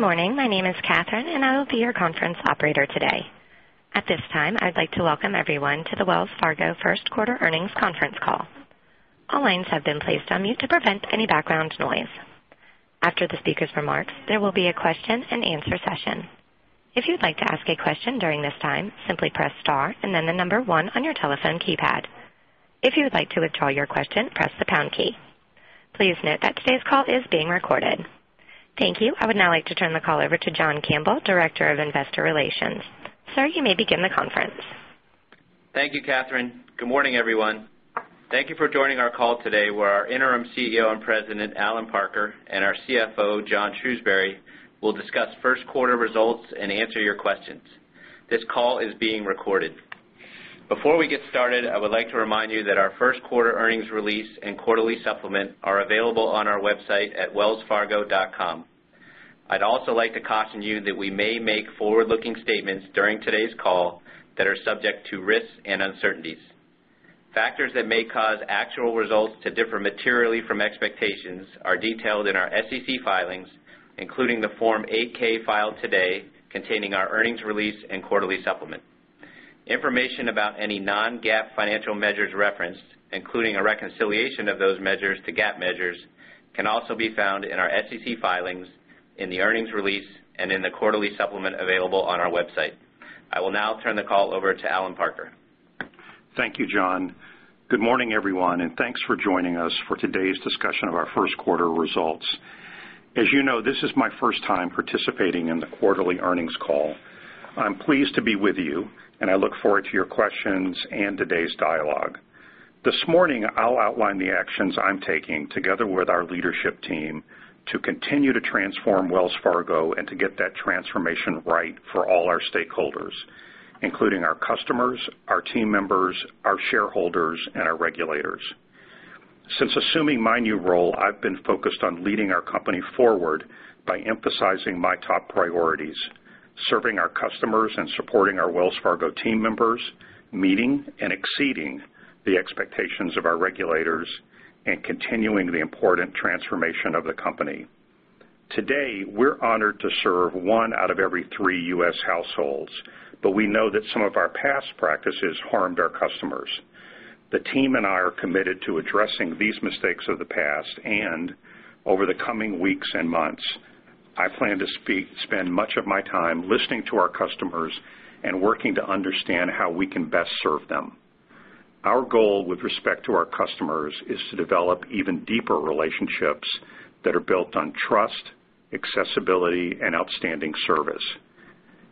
Good morning. My name is Catherine, and I will be your conference operator today. At this time, I'd like to welcome everyone to the Wells Fargo first quarter earnings conference call. All lines have been placed on mute to prevent any background noise. After the speaker's remarks, there will be a question and answer session. If you'd like to ask a question during this time, simply press star and then the number 1 on your telephone keypad. If you would like to withdraw your question, press the pound key. Please note that today's call is being recorded. Thank you. I would now like to turn the call over to John Campbell, Director of Investor Relations. Sir, you may begin the conference. Thank you, Catherine. Good morning, everyone. Thank you for joining our call today, where our interim CEO and President, Allen Parker, and our CFO, John Shrewsberry, will discuss first quarter results and answer your questions. This call is being recorded. Before we get started, I would like to remind you that our first quarter earnings release and quarterly supplement are available on our website at wellsfargo.com. I'd also like to caution you that we may make forward-looking statements during today's call that are subject to risks and uncertainties. Factors that may cause actual results to differ materially from expectations are detailed in our SEC filings, including the Form 8-K filed today containing our earnings release and quarterly supplement. Information about any non-GAAP financial measures referenced, including a reconciliation of those measures to GAAP measures, can also be found in our SEC filings, in the earnings release, and in the quarterly supplement available on our website. I will now turn the call over to Allen Parker. Thank you, John. Good morning, everyone, and thanks for joining us for today's discussion of our first quarter results. As you know, this is my first time participating in the quarterly earnings call. I'm pleased to be with you, and I look forward to your questions and today's dialogue. This morning, I'll outline the actions I'm taking, together with our leadership team, to continue to transform Wells Fargo and to get that transformation right for all our stakeholders, including our customers, our team members, our shareholders, and our regulators. Since assuming my new role, I've been focused on leading our company forward by emphasizing my top priorities, serving our customers and supporting our Wells Fargo team members, meeting and exceeding the expectations of our regulators, and continuing the important transformation of the company. Today, we're honored to serve one out of every three U.S. households, but we know that some of our past practices harmed our customers. The team and I are committed to addressing these mistakes of the past. Over the coming weeks and months, I plan to spend much of my time listening to our customers and working to understand how we can best serve them. Our goal with respect to our customers is to develop even deeper relationships that are built on trust, accessibility, and outstanding service.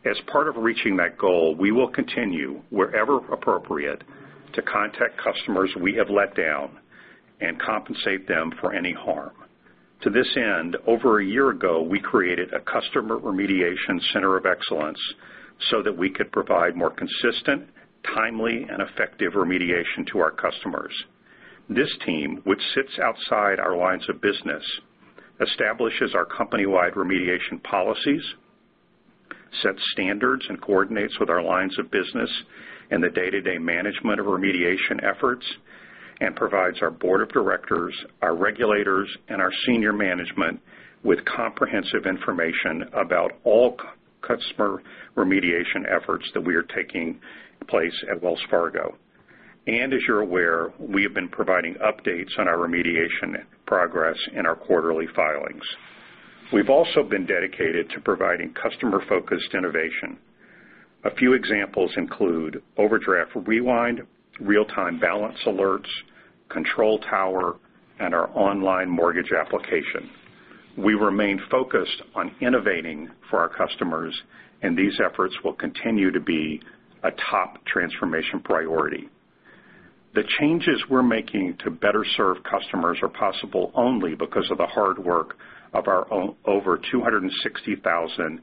As part of reaching that goal, we will continue, wherever appropriate, to contact customers we have let down and compensate them for any harm. To this end, over a year ago, we created a customer remediation center of excellence so that we could provide more consistent, timely, and effective remediation to our customers. This team, which sits outside our lines of business, establishes our company-wide remediation policies, sets standards, coordinates with our lines of business and the day-to-day management of remediation efforts, and provides our board of directors, our regulators, and our senior management with comprehensive information about all customer remediation efforts that we are taking place at Wells Fargo. As you're aware, we have been providing updates on our remediation progress in our quarterly filings. We've also been dedicated to providing customer-focused innovation. A few examples include Overdraft Rewind, real-time balance alerts, Control Tower, and our online mortgage application. We remain focused on innovating for our customers, and these efforts will continue to be a top transformation priority. The changes we're making to better serve customers are possible only because of the hard work of our over 260,000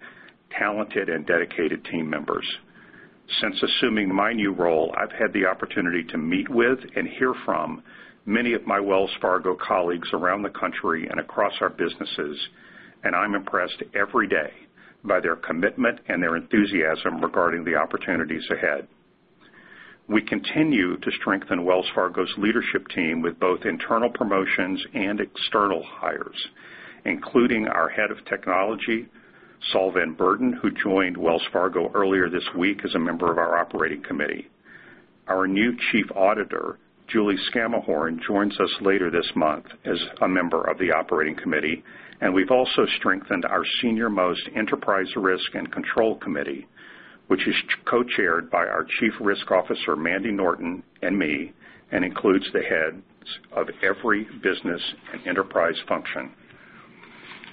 talented and dedicated team members. Since assuming my new role, I've had the opportunity to meet with and hear from many of my Wells Fargo colleagues around the country and across our businesses. I'm impressed every day by their commitment and their enthusiasm regarding the opportunities ahead. We continue to strengthen Wells Fargo's leadership team with both internal promotions and external hires, including our Head of Technology, Saul Van Beurden, who joined Wells Fargo earlier this week as a member of our operating committee. Our new Chief Auditor, Julie Scammahorn, joins us later this month as a member of the operating committee, and we've also strengthened our senior-most enterprise risk and control committee, which is co-chaired by our Chief Risk Officer, Mandy Norton, and me, and includes the heads of every business and enterprise function.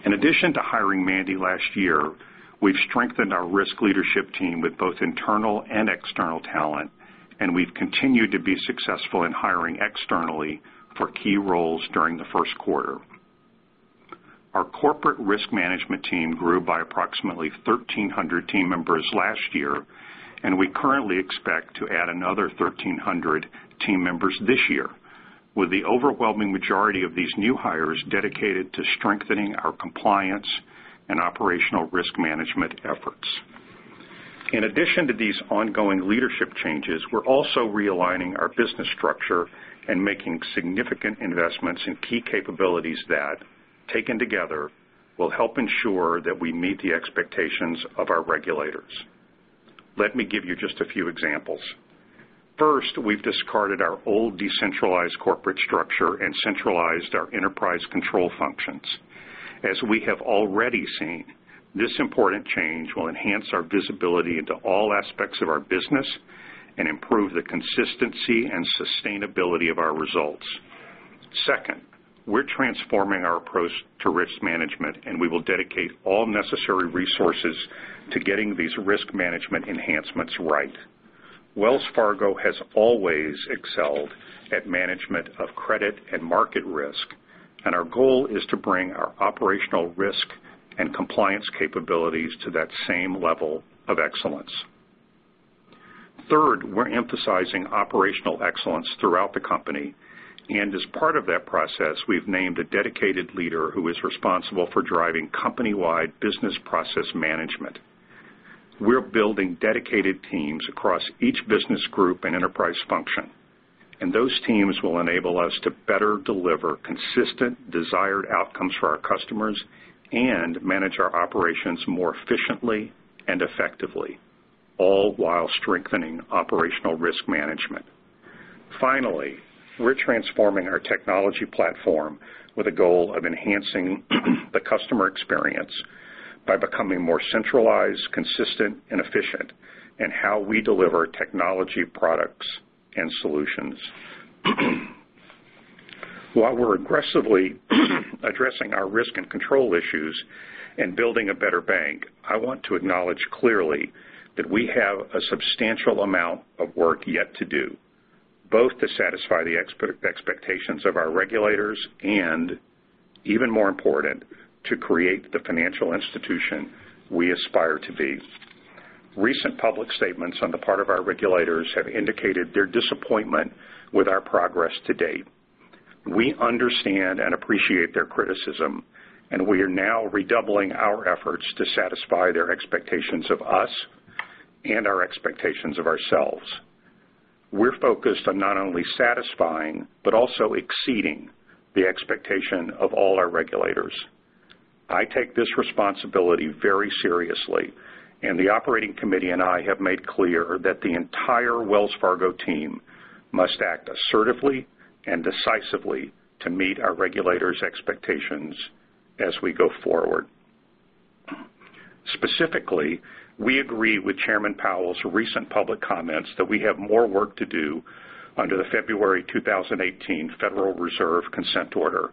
In addition to hiring Mandy last year, we've strengthened our risk leadership team with both internal and external talent. We've continued to be successful in hiring externally for key roles during the first quarter. Our corporate risk management team grew by approximately 1,300 team members last year, and we currently expect to add another 1,300 team members this year. With the overwhelming majority of these new hires dedicated to strengthening our compliance and operational risk management efforts. In addition to these ongoing leadership changes, we're also realigning our business structure and making significant investments in key capabilities that, taken together, will help ensure that we meet the expectations of our regulators. Let me give you just a few examples. First, we've discarded our old decentralized corporate structure and centralized our enterprise control functions. As we have already seen, this important change will enhance our visibility into all aspects of our business and improve the consistency and sustainability of our results. Second, we're transforming our approach to risk management, and we will dedicate all necessary resources to getting these risk management enhancements right. Wells Fargo has always excelled at management of credit and market risk, and our goal is to bring our operational risk and compliance capabilities to that same level of excellence. Third, we're emphasizing operational excellence throughout the company, and as part of that process, we've named a dedicated leader who is responsible for driving company-wide business process management. We're building dedicated teams across each business group and enterprise function, and those teams will enable us to better deliver consistent, desired outcomes for our customers and manage our operations more efficiently and effectively, all while strengthening operational risk management. Finally, we're transforming our technology platform with a goal of enhancing the customer experience by becoming more centralized, consistent, and efficient in how we deliver technology products and solutions. While we're aggressively addressing our risk and control issues and building a better bank, I want to acknowledge clearly that we have a substantial amount of work yet to do, both to satisfy the expectations of our regulators and, even more important, to create the financial institution we aspire to be. Recent public statements on the part of our regulators have indicated their disappointment with our progress to date. We understand and appreciate their criticism. We are now redoubling our efforts to satisfy their expectations of us and our expectations of ourselves. We're focused on not only satisfying but also exceeding the expectation of all our regulators. I take this responsibility very seriously. The operating committee and I have made clear that the entire Wells Fargo team must act assertively and decisively to meet our regulators' expectations as we go forward. Specifically, we agree with Chairman Powell's recent public comments that we have more work to do under the February 2018 Federal Reserve consent order.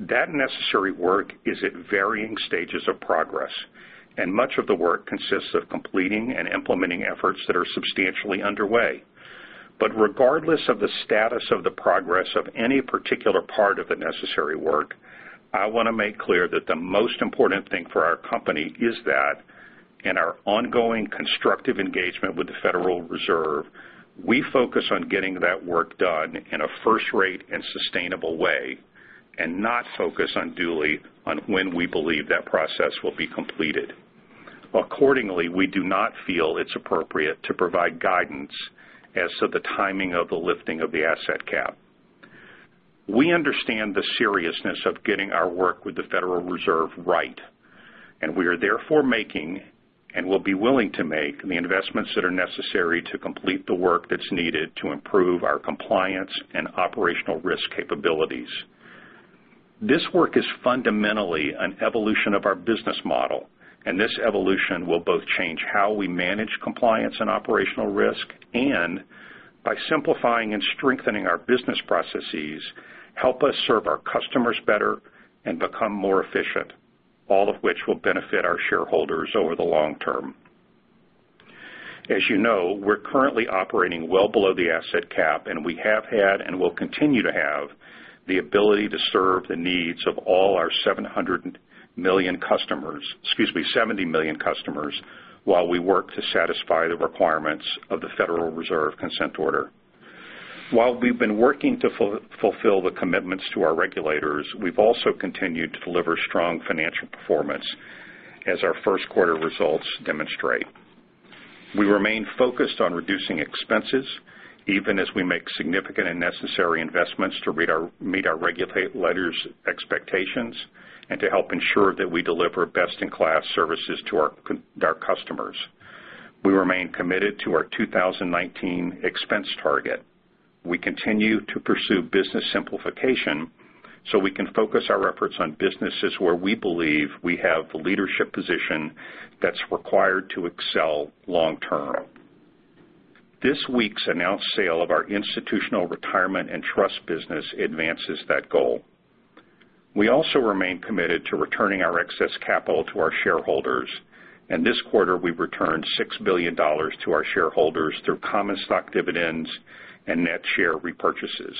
That necessary work is at varying stages of progress. Much of the work consists of completing and implementing efforts that are substantially underway. Regardless of the status of the progress of any particular part of the necessary work, I want to make clear that the most important thing for our company is that in our ongoing constructive engagement with the Federal Reserve, we focus on getting that work done in a first-rate and sustainable way and not focus unduly on when we believe that process will be completed. Accordingly, we do not feel it's appropriate to provide guidance as to the timing of the lifting of the asset cap. We understand the seriousness of getting our work with the Federal Reserve right. We are therefore making, and will be willing to make the investments that are necessary to complete the work that's needed to improve our compliance and operational risk capabilities. This work is fundamentally an evolution of our business model, and this evolution will both change how we manage compliance and operational risk, and by simplifying and strengthening our business processes, help us serve our customers better and become more efficient, all of which will benefit our shareholders over the long term. As you know, we're currently operating well below the asset cap. We have had and will continue to have the ability to serve the needs of all our 70 million customers while we work to satisfy the requirements of the Federal Reserve consent order. While we've been working to fulfill the commitments to our regulators, we've also continued to deliver strong financial performance as our first quarter results demonstrate. We remain focused on reducing expenses even as we make significant and necessary investments to meet our regulators' expectations and to help ensure that we deliver best-in-class services to our customers. We remain committed to our 2019 expense target. We continue to pursue business simplification so we can focus our efforts on businesses where we believe we have the leadership position that's required to excel long term. This week's announced sale of our institutional retirement and trust business advances that goal. We also remain committed to returning our excess capital to our shareholders, and this quarter we've returned $6 billion to our shareholders through common stock dividends and net share repurchases.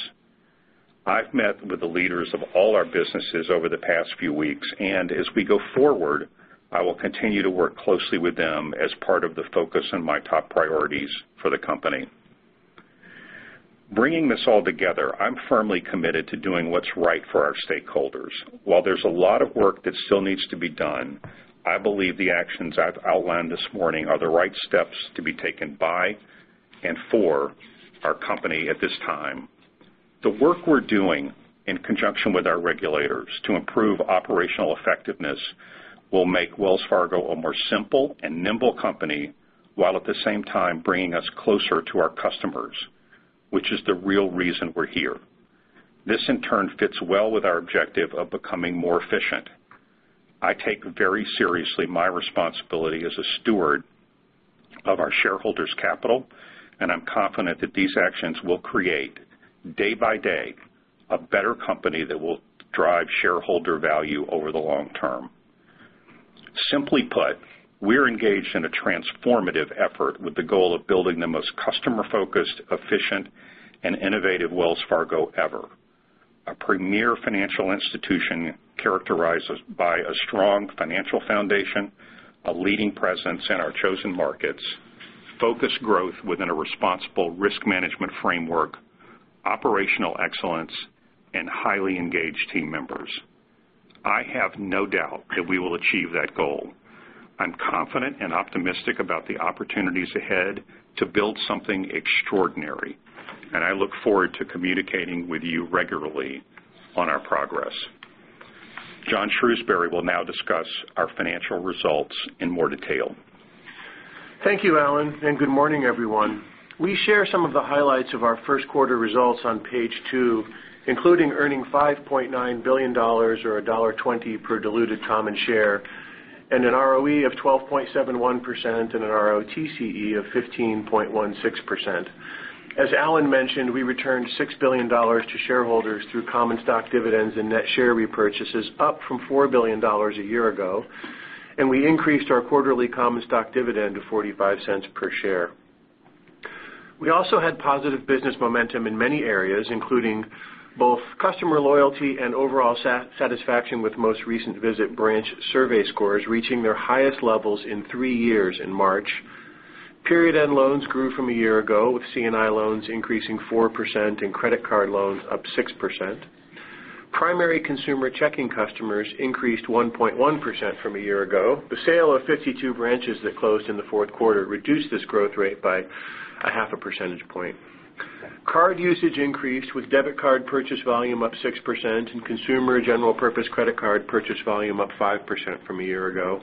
I've met with the leaders of all our businesses over the past few weeks, and as we go forward, I will continue to work closely with them as part of the focus on my top priorities for the company. Bringing this all together, I'm firmly committed to doing what's right for our stakeholders. While there's a lot of work that still needs to be done, I believe the actions I've outlined this morning are the right steps to be taken by and for our company at this time. The work we're doing in conjunction with our regulators to improve operational effectiveness will make Wells Fargo a more simple and nimble company, while at the same time bringing us closer to our customers, which is the real reason we're here. This in turn fits well with our objective of becoming more efficient. I take very seriously my responsibility as a steward of our shareholders' capital, and I'm confident that these actions will create, day by day, a better company that will drive shareholder value over the long term. Simply put, we're engaged in a transformative effort with the goal of building the most customer-focused, efficient, and innovative Wells Fargo ever. A premier financial institution characterized by a strong financial foundation, a leading presence in our chosen markets, focused growth within a responsible risk management framework, operational excellence, and highly engaged team members. I have no doubt that we will achieve that goal. I'm confident and optimistic about the opportunities ahead to build something extraordinary, and I look forward to communicating with you regularly on our progress. John Shrewsberry will now discuss our financial results in more detail. Thank you, Allen, good morning, everyone. We share some of the highlights of our first quarter results on page two, including earning $5.9 billion or $1.20 per diluted common share, and an ROE of 12.71% and an ROTCE of 15.16%. As Allen mentioned, we returned $6 billion to shareholders through common stock dividends and net share repurchases, up from $4 billion a year ago. We increased our quarterly common stock dividend to $0.45 per share. We also had positive business momentum in many areas, including both customer loyalty and overall satisfaction with most recent visit branch survey scores reaching their highest levels in three years in March. Period end loans grew from a year ago, with C&I loans increasing 4% and credit card loans up 6%. Primary consumer checking customers increased 1.1% from a year ago. The sale of 52 branches that closed in the fourth quarter reduced this growth rate by a half a percentage point. Card usage increased, with debit card purchase volume up 6% and consumer general purpose credit card purchase volume up 5% from a year ago.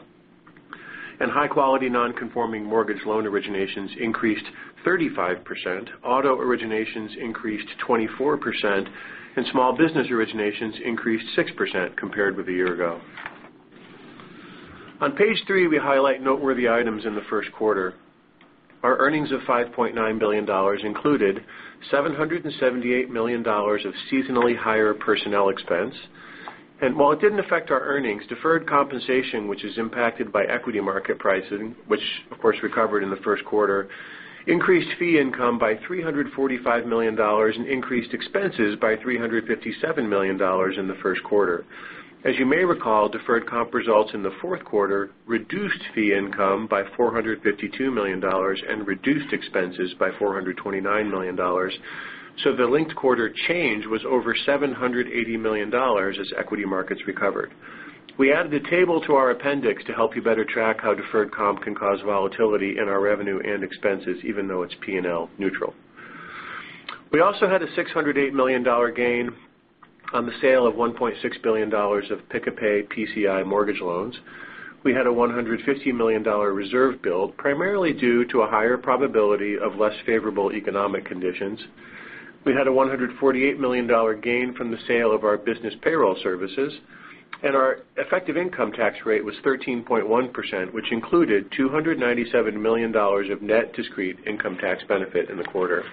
High-quality non-conforming mortgage loan originations increased 35%, auto originations increased 24%, and small business originations increased 6% compared with a year ago. On page three, we highlight noteworthy items in the first quarter. Our earnings of $5.9 billion included $778 million of seasonally higher personnel expense. While it didn't affect our earnings, deferred compensation, which is impacted by equity market pricing, which of course recovered in the first quarter, increased fee income by $345 million and increased expenses by $357 million in the first quarter. As you may recall, deferred comp results in the fourth quarter reduced fee income by $452 million and reduced expenses by $429 million. The linked quarter change was over $780 million as equity markets recovered. We added a table to our appendix to help you better track how deferred comp can cause volatility in our revenue and expenses, even though it's P&L neutral. We also had a $608 million gain on the sale of $1.6 billion of Pick-A-Pay PCI mortgage loans. We had a $150 million reserve build, primarily due to a higher probability of less favorable economic conditions. We had a $148 million gain from the sale of our business payroll services. Our effective income tax rate was 13.1%, which included $297 million of net discrete income tax benefit in the quarter.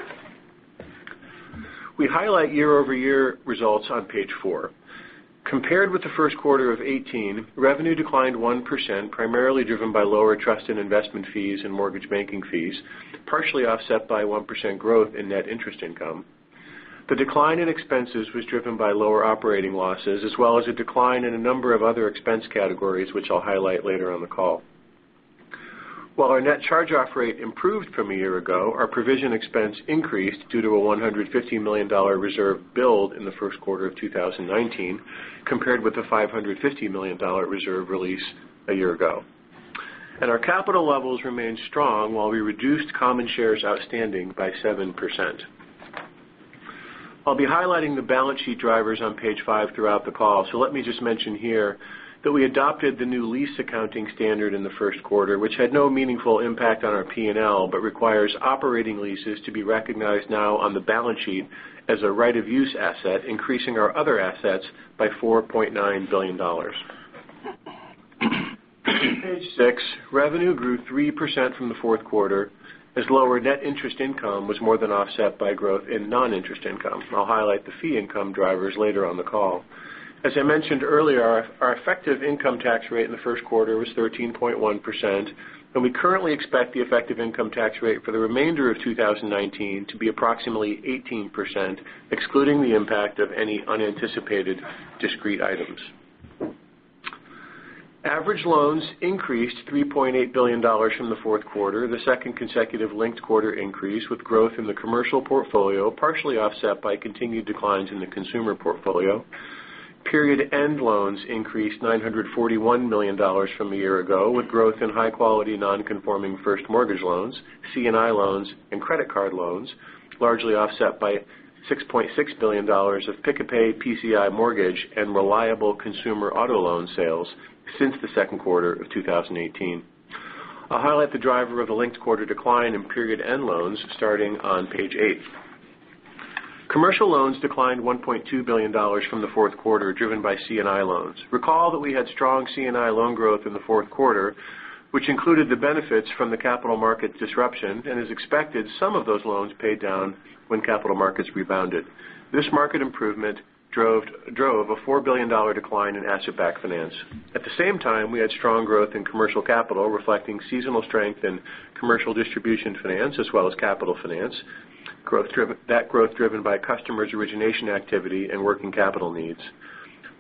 We highlight year-over-year results on page four. Compared with the first quarter of 2018, revenue declined 1%, primarily driven by lower trust and investment fees and mortgage banking fees, partially offset by 1% growth in net interest income. The decline in expenses was driven by lower operating losses, as well as a decline in a number of other expense categories, which I'll highlight later on the call. While our net charge-off rate improved from a year ago, our provision expense increased due to a $150 million reserve build in the first quarter of 2019, compared with the $550 million reserve release a year ago. Our capital levels remained strong while we reduced common shares outstanding by 7%. I'll be highlighting the balance sheet drivers on page five throughout the call. Let me just mention here that we adopted the new lease accounting standard in the first quarter, which had no meaningful impact on our P&L, but requires operating leases to be recognized now on the balance sheet as a right of use asset, increasing our other assets by $4.9 billion. Page six, revenue grew 3% from the fourth quarter as lower net interest income was more than offset by growth in non-interest income. I'll highlight the fee income drivers later on the call. As I mentioned earlier, our effective income tax rate in the first quarter was 13.1%. We currently expect the effective income tax rate for the remainder of 2019 to be approximately 18%, excluding the impact of any unanticipated discrete items. Average loans increased $3.8 billion from the fourth quarter, the second consecutive linked quarter increase with growth in the commercial portfolio, partially offset by continued declines in the consumer portfolio. Period-end loans increased $941 million from a year ago, with growth in high-quality non-conforming first mortgage loans, C&I loans and credit card loans, largely offset by $6.6 billion of Pick-a-Pay PCI mortgage and Reliable consumer auto loan sales since the second quarter of 2018. I'll highlight the driver of a linked quarter decline in period-end loans starting on page eight. Commercial loans declined $1.2 billion from the fourth quarter, driven by C&I loans. Recall that we had strong C&I loan growth in the fourth quarter, which included the benefits from the capital market disruption. As expected, some of those loans paid down when capital markets rebounded. This market improvement drove a $4 billion decline in asset-backed finance. At the same time, we had strong growth in commercial capital, reflecting seasonal strength in commercial distribution finance as well as capital finance. That growth driven by customers' origination activity and working capital needs.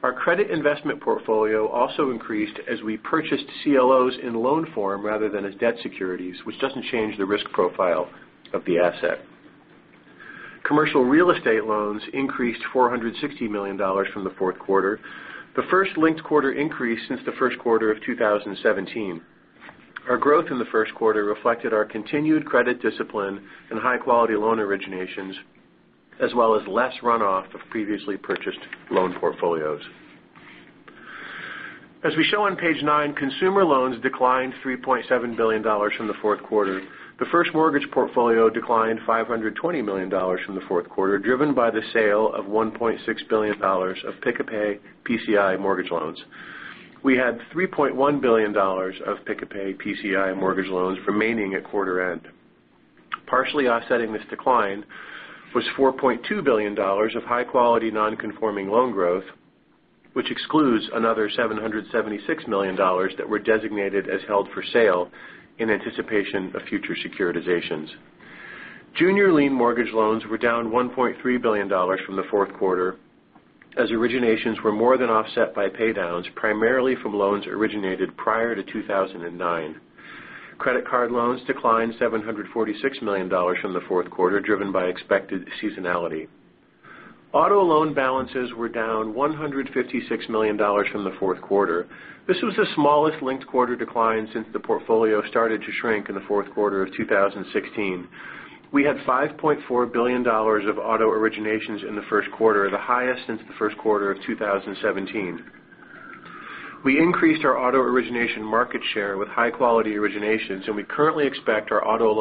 Our credit investment portfolio also increased as we purchased CLOs in loan form rather than as debt securities, which doesn't change the risk profile of the asset. Commercial real estate loans increased $460 million from the fourth quarter. The first linked quarter increase since the first quarter of 2017. Our growth in the first quarter reflected our continued credit discipline and high-quality loan originations, as well as less runoff of previously purchased loan portfolios. As we show on page nine, consumer loans declined $3.7 billion from the fourth quarter. The first mortgage portfolio declined $520 million from the fourth quarter, driven by the sale of $1.6 billion of Pick-a-Pay PCI mortgage loans. We had $3.1 billion of Pick-a-Pay PCI mortgage loans remaining at quarter end. Partially offsetting this decline was $4.2 billion of high-quality non-conforming loan growth, which excludes another $776 million that were designated as held for sale in anticipation of future securitizations. Junior lien mortgage loans were down $1.3 billion from the fourth quarter, as originations were more than offset by paydowns, primarily from loans originated prior to 2009. Credit card loans declined $746 million from the fourth quarter, driven by expected seasonality. Auto loan balances were down $156 million from the fourth quarter. This was the smallest linked-quarter decline since the portfolio started to shrink in the fourth quarter of 2016. We had $5.4 billion of auto originations in the first quarter, the highest since the first quarter of 2017. We increased our auto origination market share with high-quality originations, and we currently expect our auto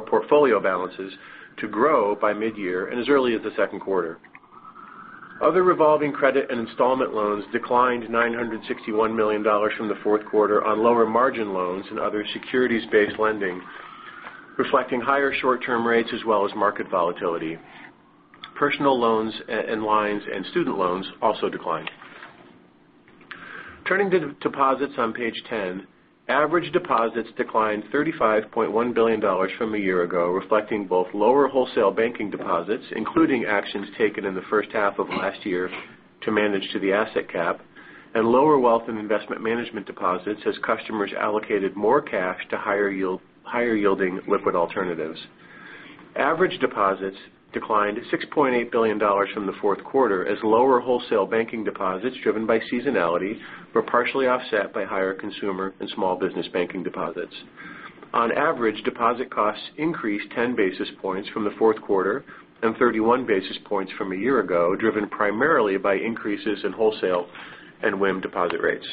portfolio balances to grow by mid-year and as early as the second quarter. Other revolving credit and installment loans declined $961 million from the fourth quarter on lower margin loans and other securities-based lending, reflecting higher short-term rates as well as market volatility. Personal loans and lines and student loans also declined. Turning to deposits on page 10, average deposits declined $35.1 billion from a year ago, reflecting both lower wholesale banking deposits, including actions taken in the first half of last year to manage to the asset cap, and lower Wealth & Investment Management deposits as customers allocated more cash to higher-yielding liquid alternatives. Average deposits declined $6.8 billion from the fourth quarter as lower wholesale banking deposits, driven by seasonality, were partially offset by higher consumer and small business banking deposits. On average, deposit costs increased 10 basis points from the fourth quarter and 31 basis points from a year ago, driven primarily by increases in wholesale and WIM deposit rates.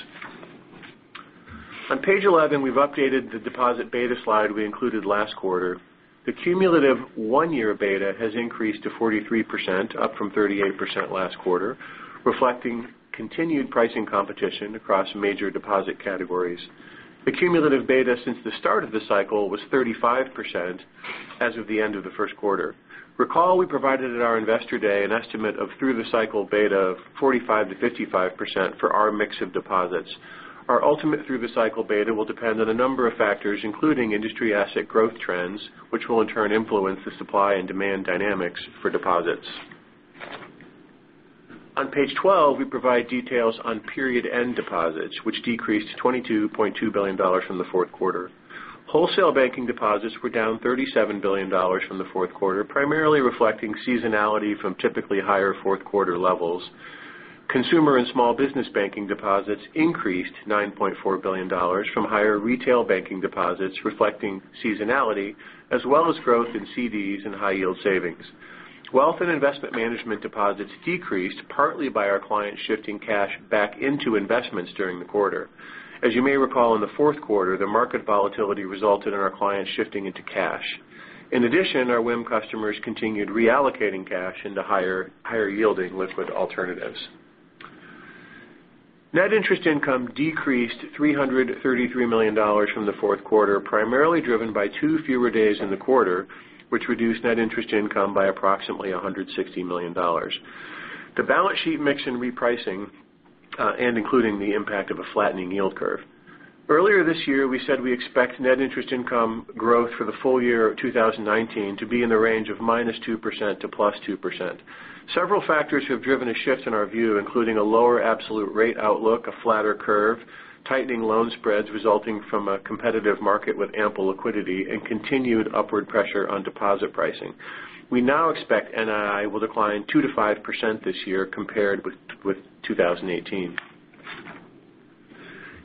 On page 11, we've updated the deposit beta slide we included last quarter. The cumulative one-year beta has increased to 43%, up from 38% last quarter, reflecting continued pricing competition across major deposit categories. The cumulative beta since the start of the cycle was 35% as of the end of the first quarter. Recall, we provided at our Investor Day an estimate of through-the-cycle beta of 45%-55% for our mix of deposits. Our ultimate through-the-cycle beta will depend on a number of factors, including industry asset growth trends, which will in turn influence the supply and demand dynamics for deposits. On page 12, we provide details on period-end deposits, which decreased $22.2 billion from the fourth quarter. Wholesale banking deposits were down $37 billion from the fourth quarter, primarily reflecting seasonality from typically higher fourth quarter levels. Consumer and small business banking deposits increased $9.4 billion from higher retail banking deposits, reflecting seasonality as well as growth in CDs and high-yield savings. Wealth & Investment Management deposits decreased partly by our clients shifting cash back into investments during the quarter. As you may recall, in the fourth quarter, the market volatility resulted in our clients shifting into cash. In addition, our WIM customers continued reallocating cash into higher yielding liquid alternatives. Net interest income decreased $333 million from the fourth quarter, primarily driven by two fewer days in the quarter, which reduced net interest income by approximately $160 million, the balance sheet mix and repricing, and including the impact of a flattening yield curve. Earlier this year, we said we expect net interest income growth for the full year of 2019 to be in the range of minus 2% to plus 2%. Several factors have driven a shift in our view, including a lower absolute rate outlook, a flatter curve, tightening loan spreads resulting from a competitive market with ample liquidity, and continued upward pressure on deposit pricing. We now expect NII will decline 2%-5% this year compared with 2018.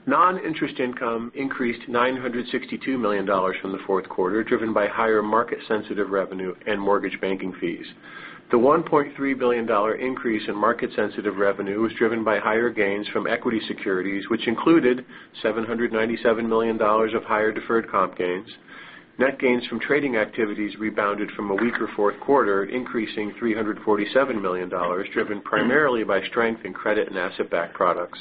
Non-interest income increased $962 million from the fourth quarter, driven by higher market-sensitive revenue and mortgage banking fees. The $1.3 billion increase in market-sensitive revenue was driven by higher gains from equity securities, which included $797 million of higher deferred comp gains. Net gains from trading activities rebounded from a weaker fourth quarter, increasing $347 million, driven primarily by strength in credit and asset-backed products.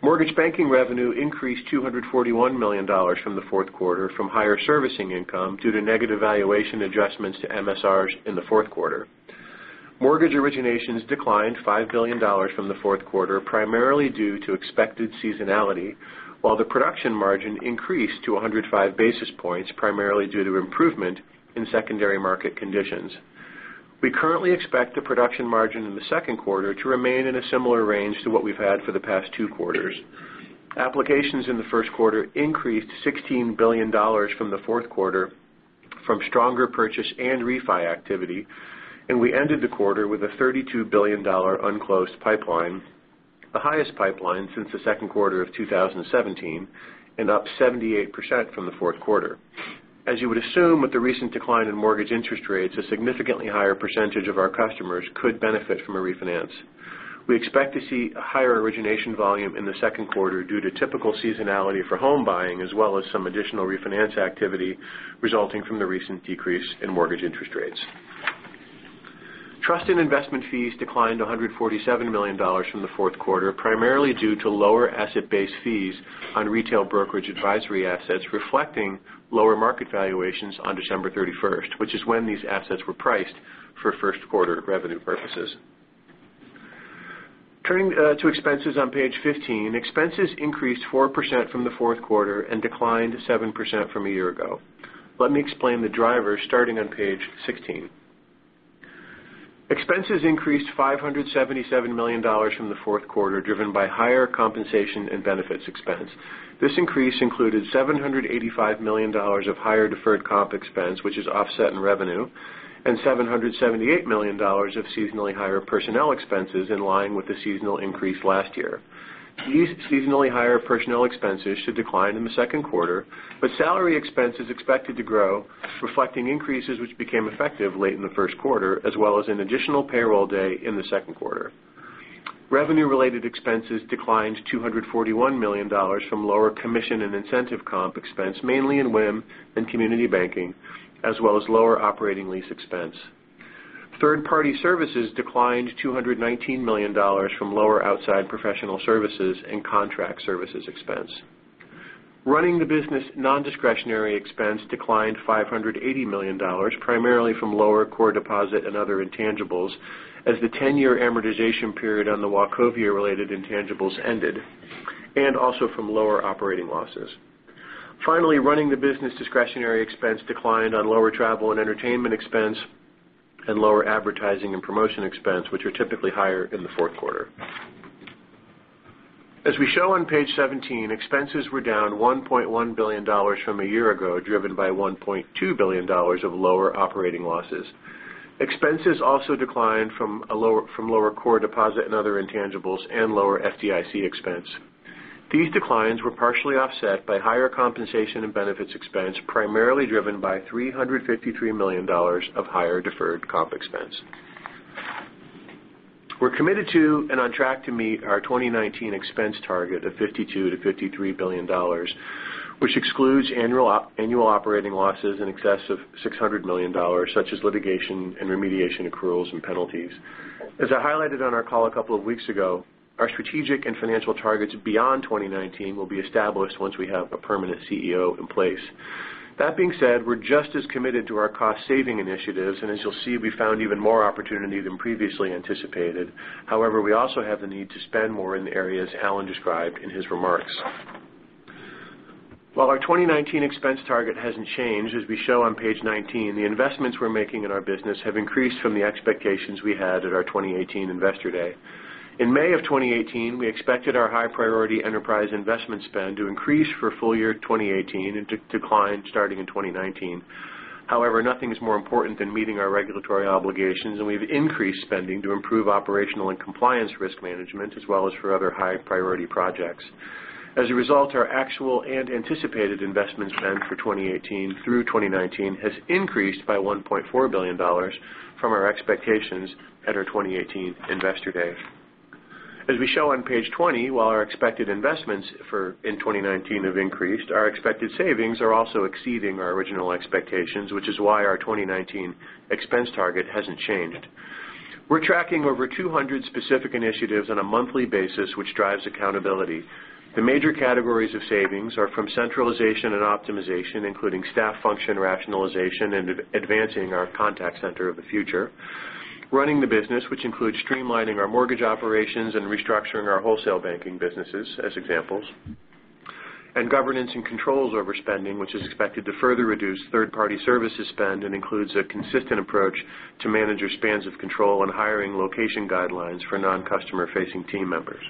Mortgage banking revenue increased $241 million from the fourth quarter from higher servicing income due to negative valuation adjustments to MSRs in the fourth quarter. Mortgage originations declined $5 billion from the fourth quarter, primarily due to expected seasonality, while the production margin increased to 105 basis points, primarily due to improvement in secondary market conditions. We currently expect the production margin in the second quarter to remain in a similar range to what we've had for the past two quarters. Applications in the first quarter increased $16 billion from the fourth quarter from stronger purchase and refi activity. We ended the quarter with a $32 billion unclosed pipeline, the highest pipeline since the second quarter of 2017, and up 78% from the fourth quarter. As you would assume with the recent decline in mortgage interest rates, a significantly higher percentage of our customers could benefit from a refinance. We expect to see a higher origination volume in the second quarter due to typical seasonality for home buying, as well as some additional refinance activity resulting from the recent decrease in mortgage interest rates. Trust and investment fees declined $147 million from the fourth quarter, primarily due to lower asset-based fees on retail brokerage advisory assets, reflecting lower market valuations on December 31st, which is when these assets were priced for first-quarter revenue purposes. Turning to expenses on page 15. Expenses increased 4% from the fourth quarter and declined 7% from a year ago. Let me explain the drivers starting on page 16. Expenses increased $577 million from the fourth quarter, driven by higher compensation and benefits expense. This increase included $785 million of higher deferred comp expense, which is offset in revenue, and $778 million of seasonally higher personnel expenses in line with the seasonal increase last year. These seasonally higher personnel expenses should decline in the second quarter, but salary expense is expected to grow, reflecting increases which became effective late in the first quarter, as well as an additional payroll day in the second quarter. Revenue-related expenses declined $241 million from lower commission and incentive comp expense, mainly in WIM and community banking, as well as lower operating lease expense. Third-party services declined $219 million from lower outside professional services and contract services expense. Running the business non-discretionary expense declined $580 million, primarily from lower core deposit and other intangibles as the 10-year amortization period on the Wachovia-related intangibles ended, also from lower operating losses. Finally, running the business discretionary expense declined on lower travel and entertainment expense and lower advertising and promotion expense, which are typically higher in the fourth quarter. As we show on page 17, expenses were down $1.1 billion from a year ago, driven by $1.2 billion of lower operating losses. Expenses also declined from lower core deposit and other intangibles and lower FDIC expense. These declines were partially offset by higher compensation and benefits expense, primarily driven by $353 million of higher deferred comp expense. We're committed to and on track to meet our 2019 expense target of $52 billion-$53 billion, which excludes annual operating losses in excess of $600 million, such as litigation and remediation accruals and penalties. As I highlighted on our call a couple of weeks ago, our strategic and financial targets beyond 2019 will be established once we have a permanent CEO in place. That being said, we're just as committed to our cost-saving initiatives, and as you'll see, we found even more opportunity than previously anticipated. However, we also have the need to spend more in the areas Allen described in his remarks. While our 2019 expense target hasn't changed, as we show on page 19, the investments we're making in our business have increased from the expectations we had at our 2018 Investor Day. In May 2018, we expected our high-priority enterprise investment spend to increase for full-year 2018 and to decline starting in 2019. However, nothing is more important than meeting our regulatory obligations, and we've increased spending to improve operational and compliance risk management, as well as for other high-priority projects. As a result, our actual and anticipated investment spend for 2018 through 2019 has increased by $1.4 billion from our expectations at our 2018 Investor Day. As we show on page 20, while our expected investments in 2019 have increased, our expected savings are also exceeding our original expectations, which is why our 2019 expense target hasn't changed. We're tracking over 200 specific initiatives on a monthly basis, which drives accountability. The major categories of savings are from centralization and optimization, including staff function rationalization and advancing our contact center of the future. Running the business, which includes streamlining our mortgage operations and restructuring our wholesale banking businesses, as examples. Governance and controls over spending, which is expected to further reduce third-party services spend and includes a consistent approach to manager spans of control and hiring location guidelines for non-customer facing team members.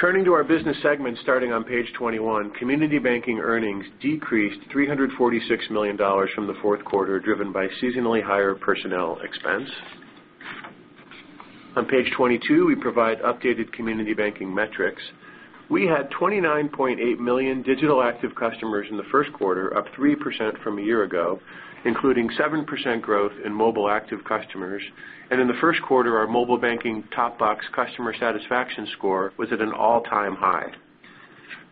Turning to our business segment, starting on page 21. Community Banking earnings decreased $346 million from the fourth quarter, driven by seasonally higher personnel expense. On page 22, we provide updated Community Banking metrics. We had 29.8 million digital active customers in the first quarter, up 3% from a year ago, including 7% growth in mobile active customers. In the first quarter, our mobile banking top box customer satisfaction score was at an all-time high.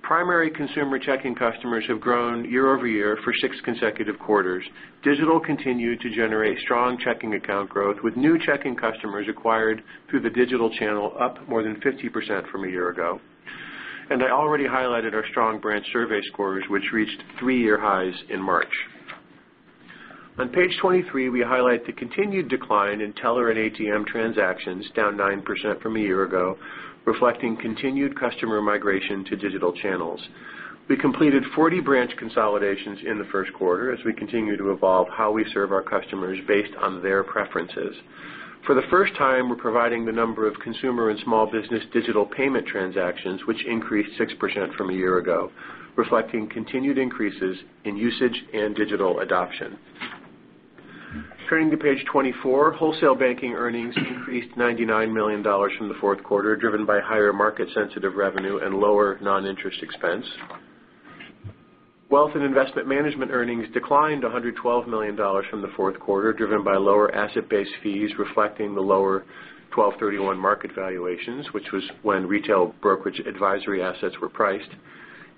Primary consumer checking customers have grown year-over-year for six consecutive quarters. Digital continued to generate strong checking account growth, with new checking customers acquired through the digital channel up more than 50% from a year ago. I already highlighted our strong branch survey scores, which reached three-year highs in March. On page 23, we highlight the continued decline in teller and ATM transactions, down 9% from a year ago, reflecting continued customer migration to digital channels. We completed 40 branch consolidations in the first quarter as we continue to evolve how we serve our customers based on their preferences. For the first time, we're providing the number of consumer and small business digital payment transactions, which increased 6% from a year ago, reflecting continued increases in usage and digital adoption. Turning to page 24. Wholesale Banking earnings increased $99 million from the fourth quarter, driven by higher market-sensitive revenue and lower non-interest expense. Wealth & Investment Management earnings declined $112 million from the fourth quarter, driven by lower asset-based fees reflecting the lower 12/31 market valuations, which was when retail brokerage advisory assets were priced.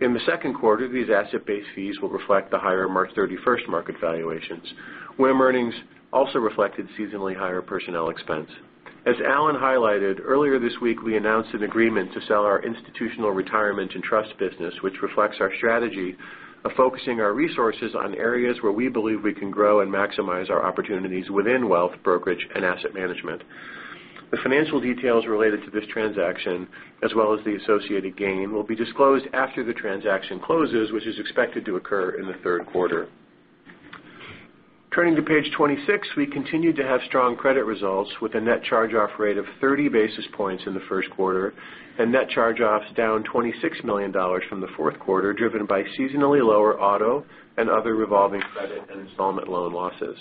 In the second quarter, these asset-based fees will reflect the higher March 31st market valuations. WIM earnings also reflected seasonally higher personnel expense. As Allen highlighted, earlier this week, we announced an agreement to sell our institutional retirement and trust business, which reflects our strategy of focusing our resources on areas where we believe we can grow and maximize our opportunities within wealth, brokerage, and asset management. The financial details related to this transaction, as well as the associated gain, will be disclosed after the transaction closes, which is expected to occur in the third quarter. Turning to page 26. We continued to have strong credit results with a net charge-off rate of 30 basis points in the first quarter. Net charge-offs down $26 million from the fourth quarter, driven by seasonally lower auto and other revolving credit and installment loan losses.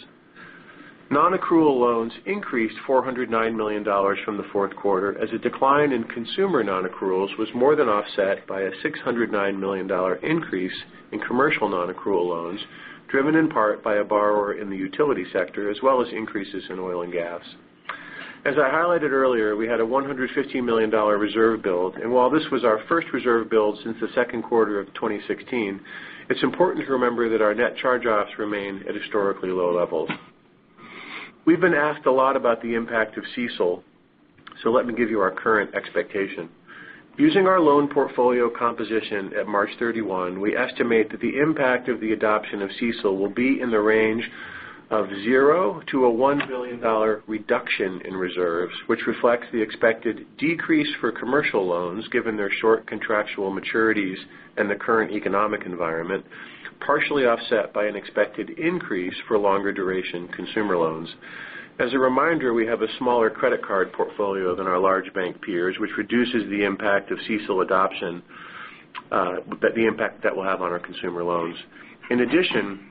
Nonaccrual loans increased $409 million from the fourth quarter, as a decline in consumer nonaccruals was more than offset by a $609 million increase in commercial nonaccrual loans, driven in part by a borrower in the utility sector, as well as increases in oil and gas. As I highlighted earlier, we had a $150 million reserve build. While this was our first reserve build since the second quarter of 2016, it's important to remember that our net charge-offs remain at historically low levels. We've been asked a lot about the impact of CECL, let me give you our current expectation. Using our loan portfolio composition at March 31, we estimate that the impact of the adoption of CECL will be in the range of zero to a $1 billion reduction in reserves, which reflects the expected decrease for commercial loans given their short contractual maturities and the current economic environment, partially offset by an expected increase for longer duration consumer loans. As a reminder, we have a smaller credit card portfolio than our large bank peers, which reduces the impact of CECL adoption, the impact that will have on our consumer loans. In addition,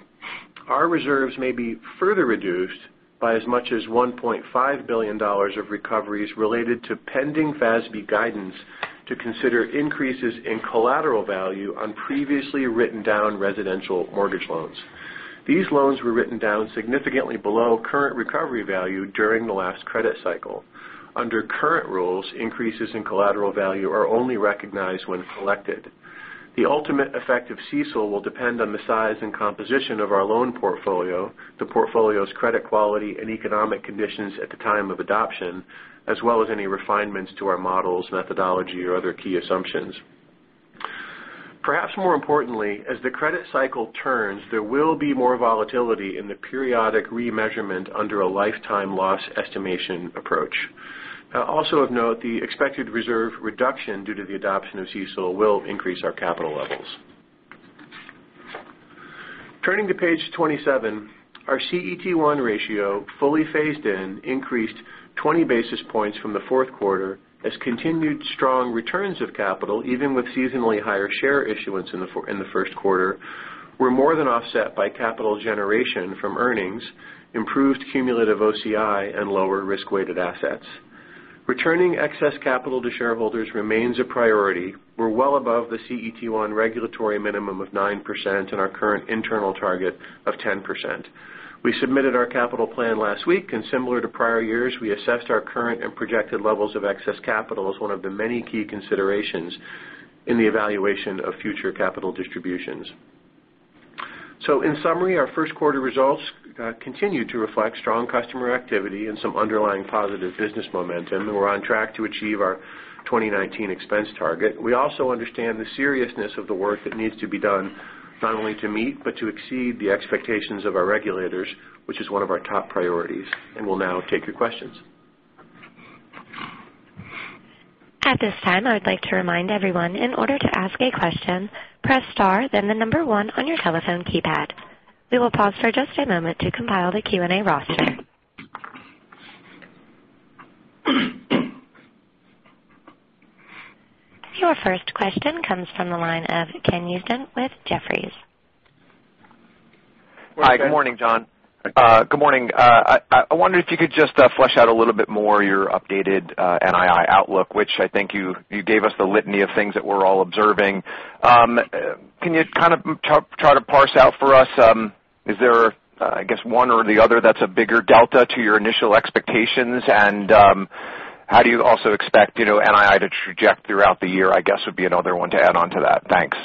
our reserves may be further reduced by as much as $1.5 billion of recoveries related to pending FASB guidance to consider increases in collateral value on previously written down residential mortgage loans. These loans were written down significantly below current recovery value during the last credit cycle. Under current rules, increases in collateral value are only recognized when collected. The ultimate effect of CECL will depend on the size and composition of our loan portfolio, the portfolio's credit quality and economic conditions at the time of adoption, as well as any refinements to our models, methodology, or other key assumptions. Perhaps more importantly, as the credit cycle turns, there will be more volatility in the periodic remeasurement under a lifetime loss estimation approach. Also of note, the expected reserve reduction due to the adoption of CECL will increase our capital levels. Turning to page 27. Our CET1 ratio, fully phased in, increased 20 basis points from the fourth quarter as continued strong returns of capital, even with seasonally higher share issuance in the first quarter, were more than offset by capital generation from earnings, improved cumulative OCI, and lower risk-weighted assets. Returning excess capital to shareholders remains a priority. We're well above the CET1 regulatory minimum of 9% and our current internal target of 10%. We submitted our capital plan last week, similar to prior years, we assessed our current and projected levels of excess capital as one of the many key considerations in the evaluation of future capital distributions. In summary, our first quarter results continue to reflect strong customer activity and some underlying positive business momentum. We're on track to achieve our 2019 expense target. We also understand the seriousness of the work that needs to be done, not only to meet but to exceed the expectations of our regulators, which is one of our top priorities. We'll now take your questions. At this time, I would like to remind everyone, in order to ask a question, press star then the number 1 on your telephone keypad. We will pause for just a moment to compile the Q&A roster. Your first question comes from the line of Ken Usdin with Jefferies. Hi, good morning, John. Good morning. I wondered if you could just flesh out a little bit more your updated NII outlook, which I think you gave us the litany of things that we're all observing. Can you kind of try to parse out for us, is there, I guess, one or the other that's a bigger delta to your initial expectations? How do you also expect NII to traject throughout the year, I guess, would be another one to add onto that. Thanks.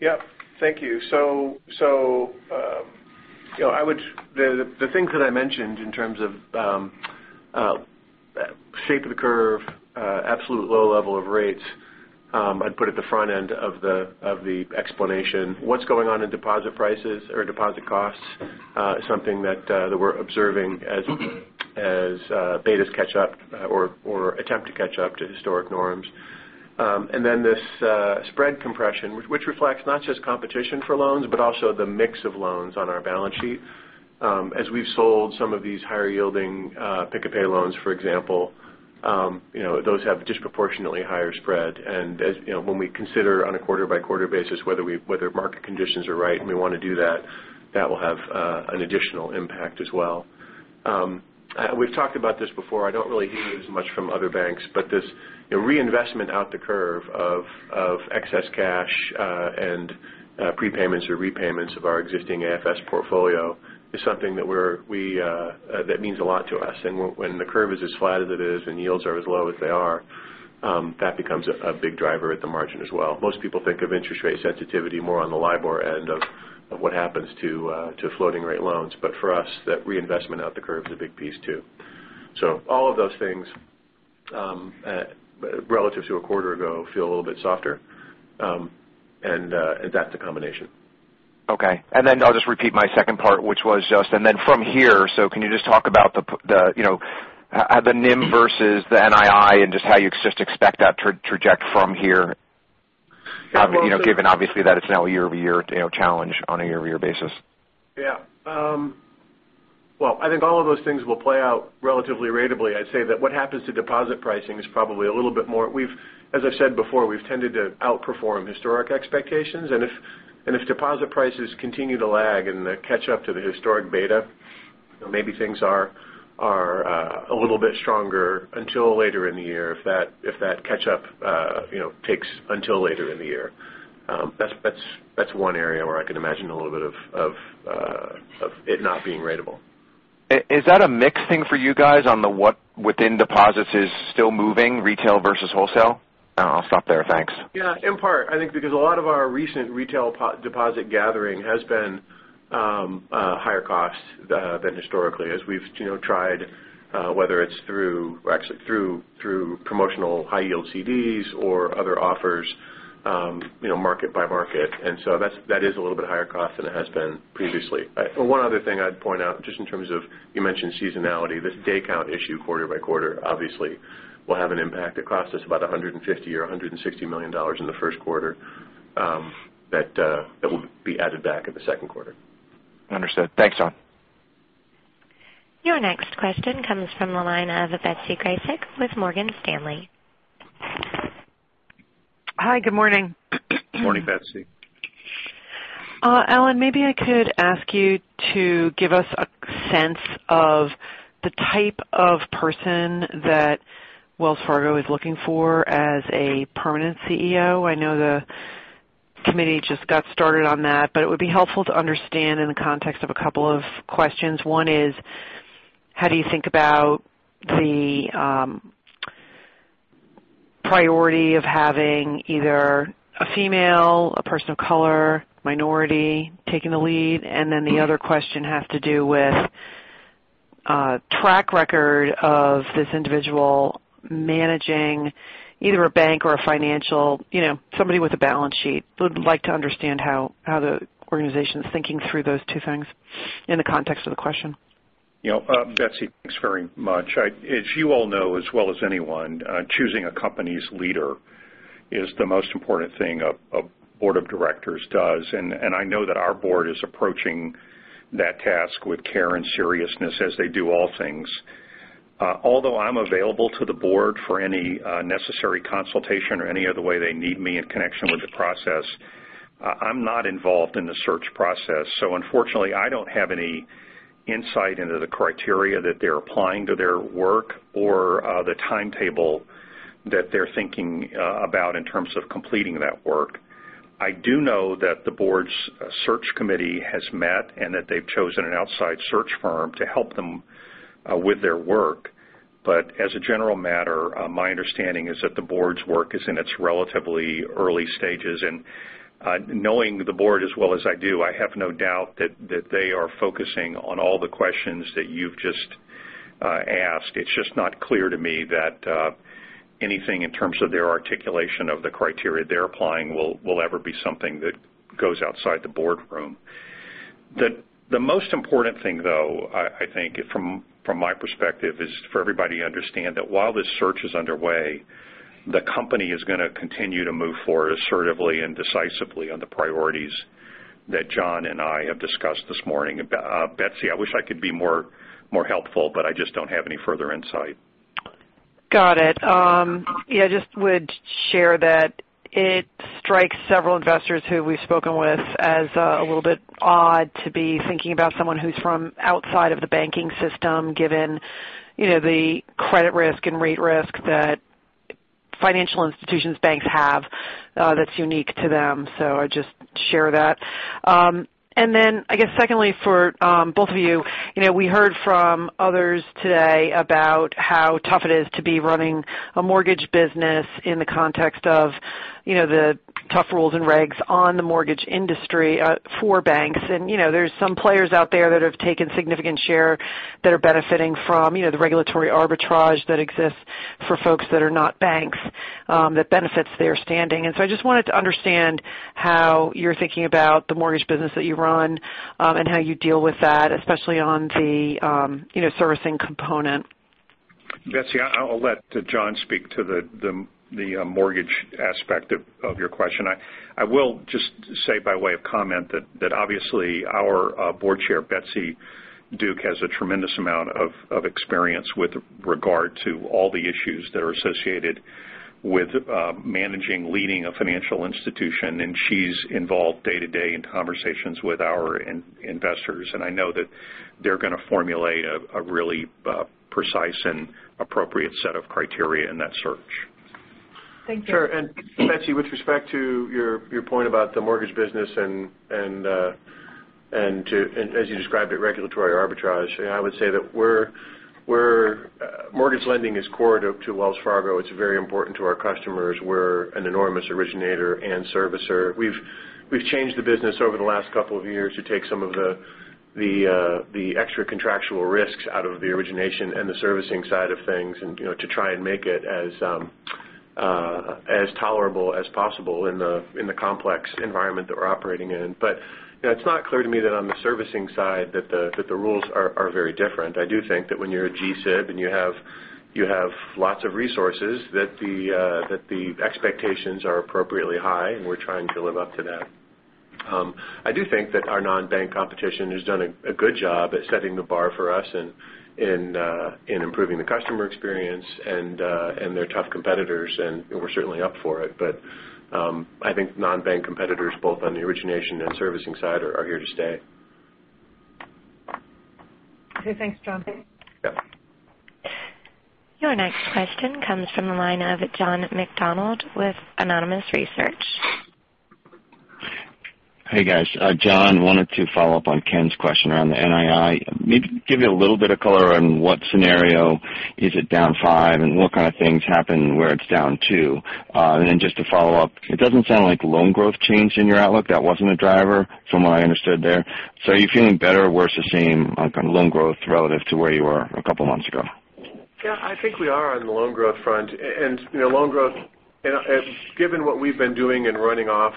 Yeah. Thank you. The things that I mentioned in terms of shape of the curve, absolute low level of rates, I'd put at the front end of the explanation. What's going on in deposit prices or deposit costs is something that we're observing as betas catch up or attempt to catch up to historic norms. Then this spread compression, which reflects not just competition for loans, but also the mix of loans on our balance sheet. As we've sold some of these higher yielding Pick-a-Pay loans, for example, those have disproportionately higher spread. When we consider on a quarter-by-quarter basis whether market conditions are right and we want to do that will have an additional impact as well. We've talked about this before. I don't really hear it as much from other banks, but this reinvestment out the curve of excess cash and prepayments or repayments of our existing AFS portfolio is something that means a lot to us. When the curve is as flat as it is and yields are as low as they are, that becomes a big driver at the margin as well. Most people think of interest rate sensitivity more on the LIBOR end of what happens to floating rate loans. But for us, that reinvestment out the curve is a big piece, too. All of those things, relative to a quarter ago, feel a little bit softer. That's the combination. Okay. I'll just repeat my second part, which was just, from here, can you just talk about the NIM versus the NII and just how you expect that to traject from here, given obviously that it's now a year-over-year challenge on a year-over-year basis? Yeah. Well, I think all of those things will play out relatively ratably. I'd say that what happens to deposit pricing is probably a little bit more. As I've said before, we've tended to outperform historic expectations. If deposit prices continue to lag and they catch up to the historic beta, maybe things are a little bit stronger until later in the year if that catch up takes until later in the year. That's one area where I can imagine a little bit of it not being ratable. Is that a mix thing for you guys on the what within deposits is still moving, retail versus wholesale? I'll stop there. Thanks. Yeah, in part, I think because a lot of our recent retail deposit gathering has been higher cost than historically as we've tried, whether it's through promotional high yield CDs or other offers, market by market. That is a little bit higher cost than it has been previously. One other thing I'd point out, just in terms of, you mentioned seasonality. This day count issue quarter by quarter obviously will have an impact. It cost us about $150 million or $160 million in the first quarter, that will be added back in the second quarter. Understood. Thanks, John. Your next question comes from the line of Betsy Graseck with Morgan Stanley. Hi, good morning. Morning, Betsy. Allen, maybe I could ask you to give us a sense of the type of person that Wells Fargo is looking for as a permanent CEO. I know the committee just got started on that, but it would be helpful to understand in the context of a couple of questions. One is, how do you think about the priority of having either a female, a person of color, minority taking the lead? The other question has to do with track record of this individual managing either a bank or a financial, somebody with a balance sheet. I would like to understand how the organization's thinking through those two things in the context of the question. Betsy, thanks very much. As you all know as well as anyone, choosing a company's leader is the most important thing a board of directors does, and I know that our board is approaching that task with care and seriousness as they do all things. Although I'm available to the board for any necessary consultation or any other way they need me in connection with the process, I'm not involved in the search process. Unfortunately, I don't have any insight into the criteria that they're applying to their work or the timetable that they're thinking about in terms of completing that work. I do know that the board's search committee has met and that they've chosen an outside search firm to help them with their work. As a general matter, my understanding is that the board's work is in its relatively early stages, and knowing the board as well as I do, I have no doubt that they are focusing on all the questions that you've just asked. It's just not clear to me that anything in terms of their articulation of the criteria they're applying will ever be something that goes outside the boardroom. The most important thing, though, I think from my perspective, is for everybody to understand that while this search is underway, the company is going to continue to move forward assertively and decisively on the priorities that John and I have discussed this morning. Betsy, I wish I could be more helpful, but I just don't have any further insight. Got it. Yeah, just would share that it strikes several investors who we've spoken with as a little bit odd to be thinking about someone who's from outside of the banking system, given the credit risk and rate risk that financial institutions banks have that's unique to them. I just share that. I guess secondly, for both of you, we heard from others today about how tough it is to be running a mortgage business in the context of the tough rules and regs on the mortgage industry for banks. There's some players out there that have taken significant share that are benefiting from the regulatory arbitrage that exists for folks that are not banks that benefits their standing. I just wanted to understand how you're thinking about the mortgage business that you run and how you deal with that, especially on the servicing component. Betsy, I'll let John speak to the mortgage aspect of your question. I will just say by way of comment that obviously our board chair, Betsy Duke, has a tremendous amount of experience with regard to all the issues that are associated with managing, leading a financial institution, and she's involved day-to-day in conversations with our investors. I know that they're going to formulate a really precise and appropriate set of criteria in that search. Thank you. Sure. Betsy, with respect to your point about the mortgage business and as you described it, regulatory arbitrage, I would say that mortgage lending is core to Wells Fargo. It's very important to our customers. We're an enormous originator and servicer. We've changed the business over the last couple of years to take some of the extracontractual risks out of the origination and the servicing side of things, to try and make it as tolerable as possible in the complex environment that we're operating in. It's not clear to me that on the servicing side that the rules are very different. I do think that when you're a GSIB and you have lots of resources, that the expectations are appropriately high, and we're trying to live up to that. I do think that our non-bank competition has done a good job at setting the bar for us in improving the customer experience. They're tough competitors, and we're certainly up for it. I think non-bank competitors, both on the origination and servicing side, are here to stay. Okay. Thanks, John. Yeah. Your next question comes from the line of John McDonald with Autonomous Research. Hey, guys. John, wanted to follow up on Ken's question around the NII. Maybe give a little bit of color on what scenario is it down five, and what kind of things happen where it's down two. Just to follow up, it doesn't sound like loan growth changed in your outlook. That wasn't a driver from what I understood there. Are you feeling better or worse the same on loan growth relative to where you were a couple of months ago? Yeah, I think we are on the loan growth front. Loan growth, given what we've been doing in running off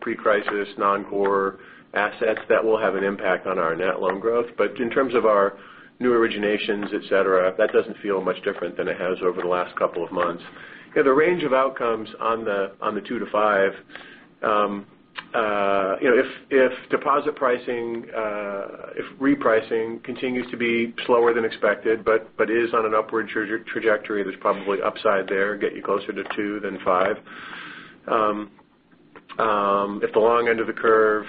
pre-crisis, non-core assets, that will have an impact on our net loan growth. In terms of our new originations, et cetera, that doesn't feel much different than it has over the last couple of months. The range of outcomes on the two to five. If deposit repricing continues to be slower than expected but is on an upward trajectory, there's probably upside there, get you closer to two than five. If the long end of the curve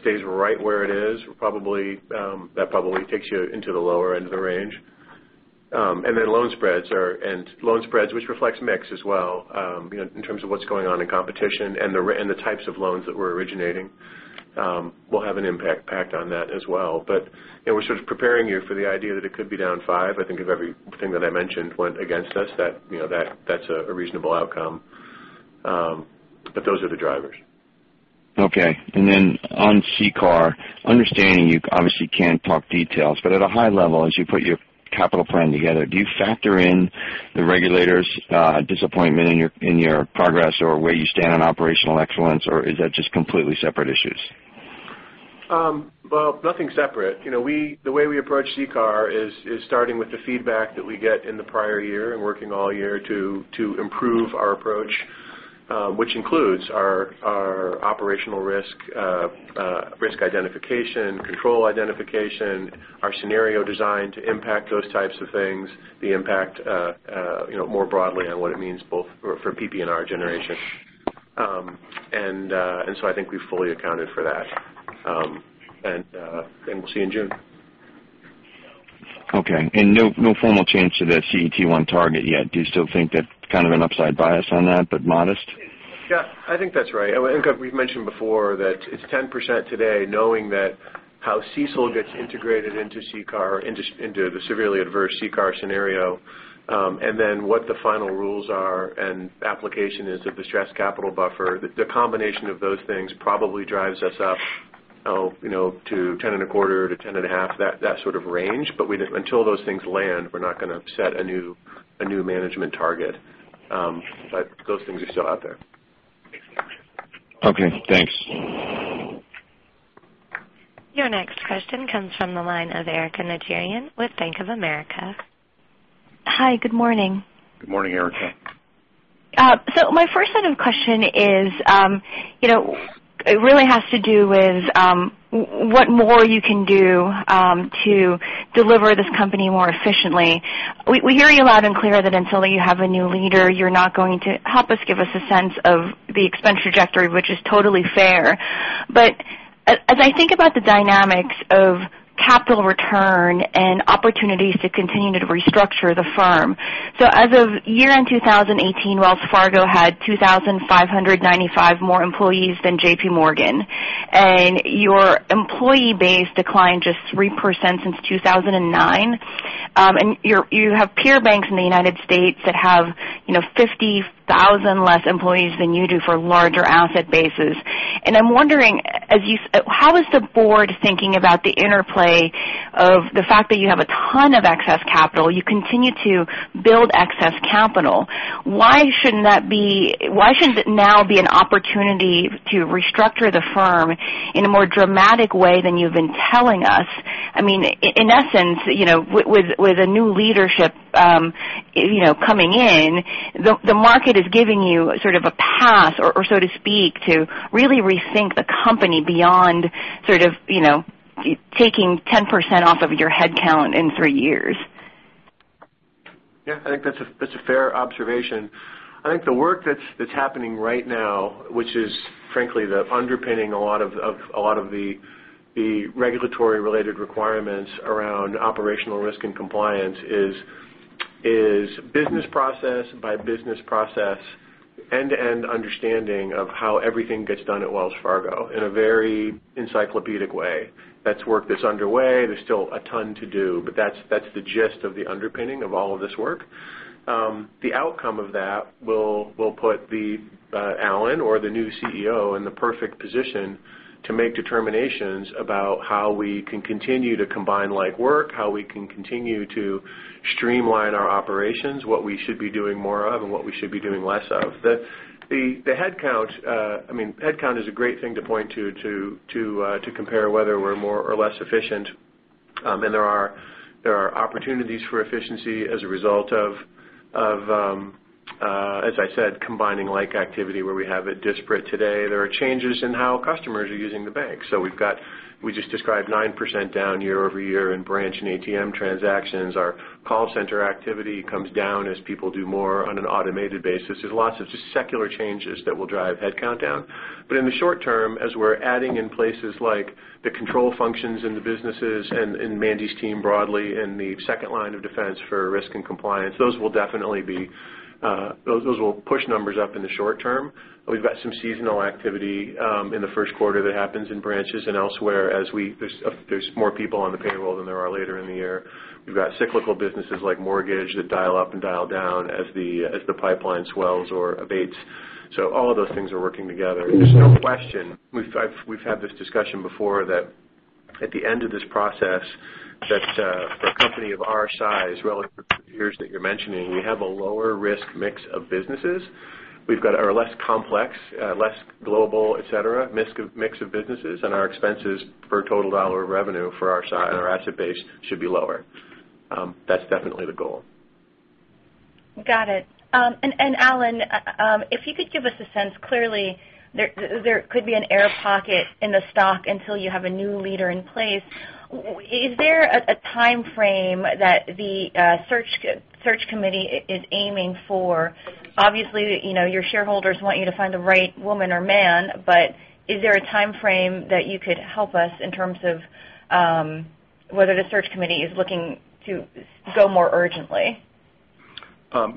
stays right where it is, that probably takes you into the lower end of the range. Loan spreads, which reflects mix as well in terms of what's going on in competition and the types of loans that we're originating will have an impact on that as well. We're sort of preparing you for the idea that it could be down five. I think if everything that I mentioned went against us, that's a reasonable outcome. Those are the drivers. Okay. On CCAR, understanding you obviously can't talk details, but at a high level, as you put your capital plan together, do you factor in the regulators' disappointment in your progress or where you stand on operational excellence, or is that just completely separate issues? Well, nothing separate. The way we approach CCAR is starting with the feedback that we get in the prior year and working all year to improve our approach, which includes our operational risk identification, control identification, our scenario design to impact those types of things, the impact more broadly on what it means both for PPNR generation. I think we've fully accounted for that. We'll see in June. Okay. No formal change to that CET1 target yet. Do you still think that kind of an upside bias on that, but modest? Yeah, I think that's right. I think we've mentioned before that it's 10% today, knowing that how CECL gets integrated into CCAR, into the severely adverse CCAR scenario, then what the final rules are and application is of the stress capital buffer. The combination of those things probably drives us up to 10.25%-10.5%, that sort of range. Until those things land, we're not going to set a new management target. Those things are still out there. Okay, thanks. Your next question comes from the line of Erika Najarian with Bank of America. Hi, good morning. Good morning, Erika. My first set of question really has to do with what more you can do to deliver this company more efficiently. We hear you loud and clear that until you have a new leader, you're not going to help us give us a sense of the expense trajectory, which is totally fair. As I think about the dynamics of capital return and opportunities to continue to restructure the firm. As of year-end 2018, Wells Fargo had 2,595 more employees than J.P. Morgan, and your employee base declined just 3% since 2009. You have peer banks in the U.S. that have 50,000 less employees than you do for larger asset bases. I'm wondering, how is the board thinking about the interplay of the fact that you have a ton of excess capital, you continue to build excess capital. Why shouldn't it now be an opportunity to restructure the firm in a more dramatic way than you've been telling us? I mean, in essence, with a new leadership coming in, the market is giving you sort of a pass or so to speak, to really rethink the company beyond taking 10% off of your headcount in three years. Yeah, I think that's a fair observation. I think the work that's happening right now, which is frankly the underpinning a lot of the regulatory related requirements around operational risk and compliance is business process by business process, end-to-end understanding of how everything gets done at Wells Fargo in a very encyclopedic way. That's work that's underway. There's still a ton to do. That's the gist of the underpinning of all of this work. The outcome of that will put the Allen or the new CEO in the perfect position to make determinations about how we can continue to combine like work, how we can continue to streamline our operations, what we should be doing more of, and what we should be doing less of. The headcount is a great thing to point to compare whether we're more or less efficient. There are opportunities for efficiency as a result of, as I said, combining like activity where we have it disparate today. There are changes in how customers are using the bank. We just described 9% down year-over-year in branch and ATM transactions. Our call center activity comes down as people do more on an automated basis. There's lots of just secular changes that will drive headcount down. In the short term, as we're adding in places like the control functions in the businesses and Mandy's team broadly in the second line of defense for risk and compliance, those will push numbers up in the short term. We've got some seasonal activity in the first quarter that happens in branches and elsewhere as there's more people on the payroll than there are later in the year. We've got cyclical businesses like mortgage that dial up and dial down as the pipeline swells or abates. All of those things are working together. There's no question, we've had this discussion before that at the end of this process that for a company of our size relative to the peers that you're mentioning, we have a lower risk mix of businesses. We've got a less complex, less global, et cetera, mix of businesses, and our expenses per total dollar of revenue for our asset base should be lower. That's definitely the goal. Got it. Allen, if you could give us a sense. Clearly, there could be an air pocket in the stock until you have a new leader in place. Is there a timeframe that the search committee is aiming for? Obviously, your shareholders want you to find the right woman or man, but is there a timeframe that you could help us in terms of whether the search committee is looking to go more urgently?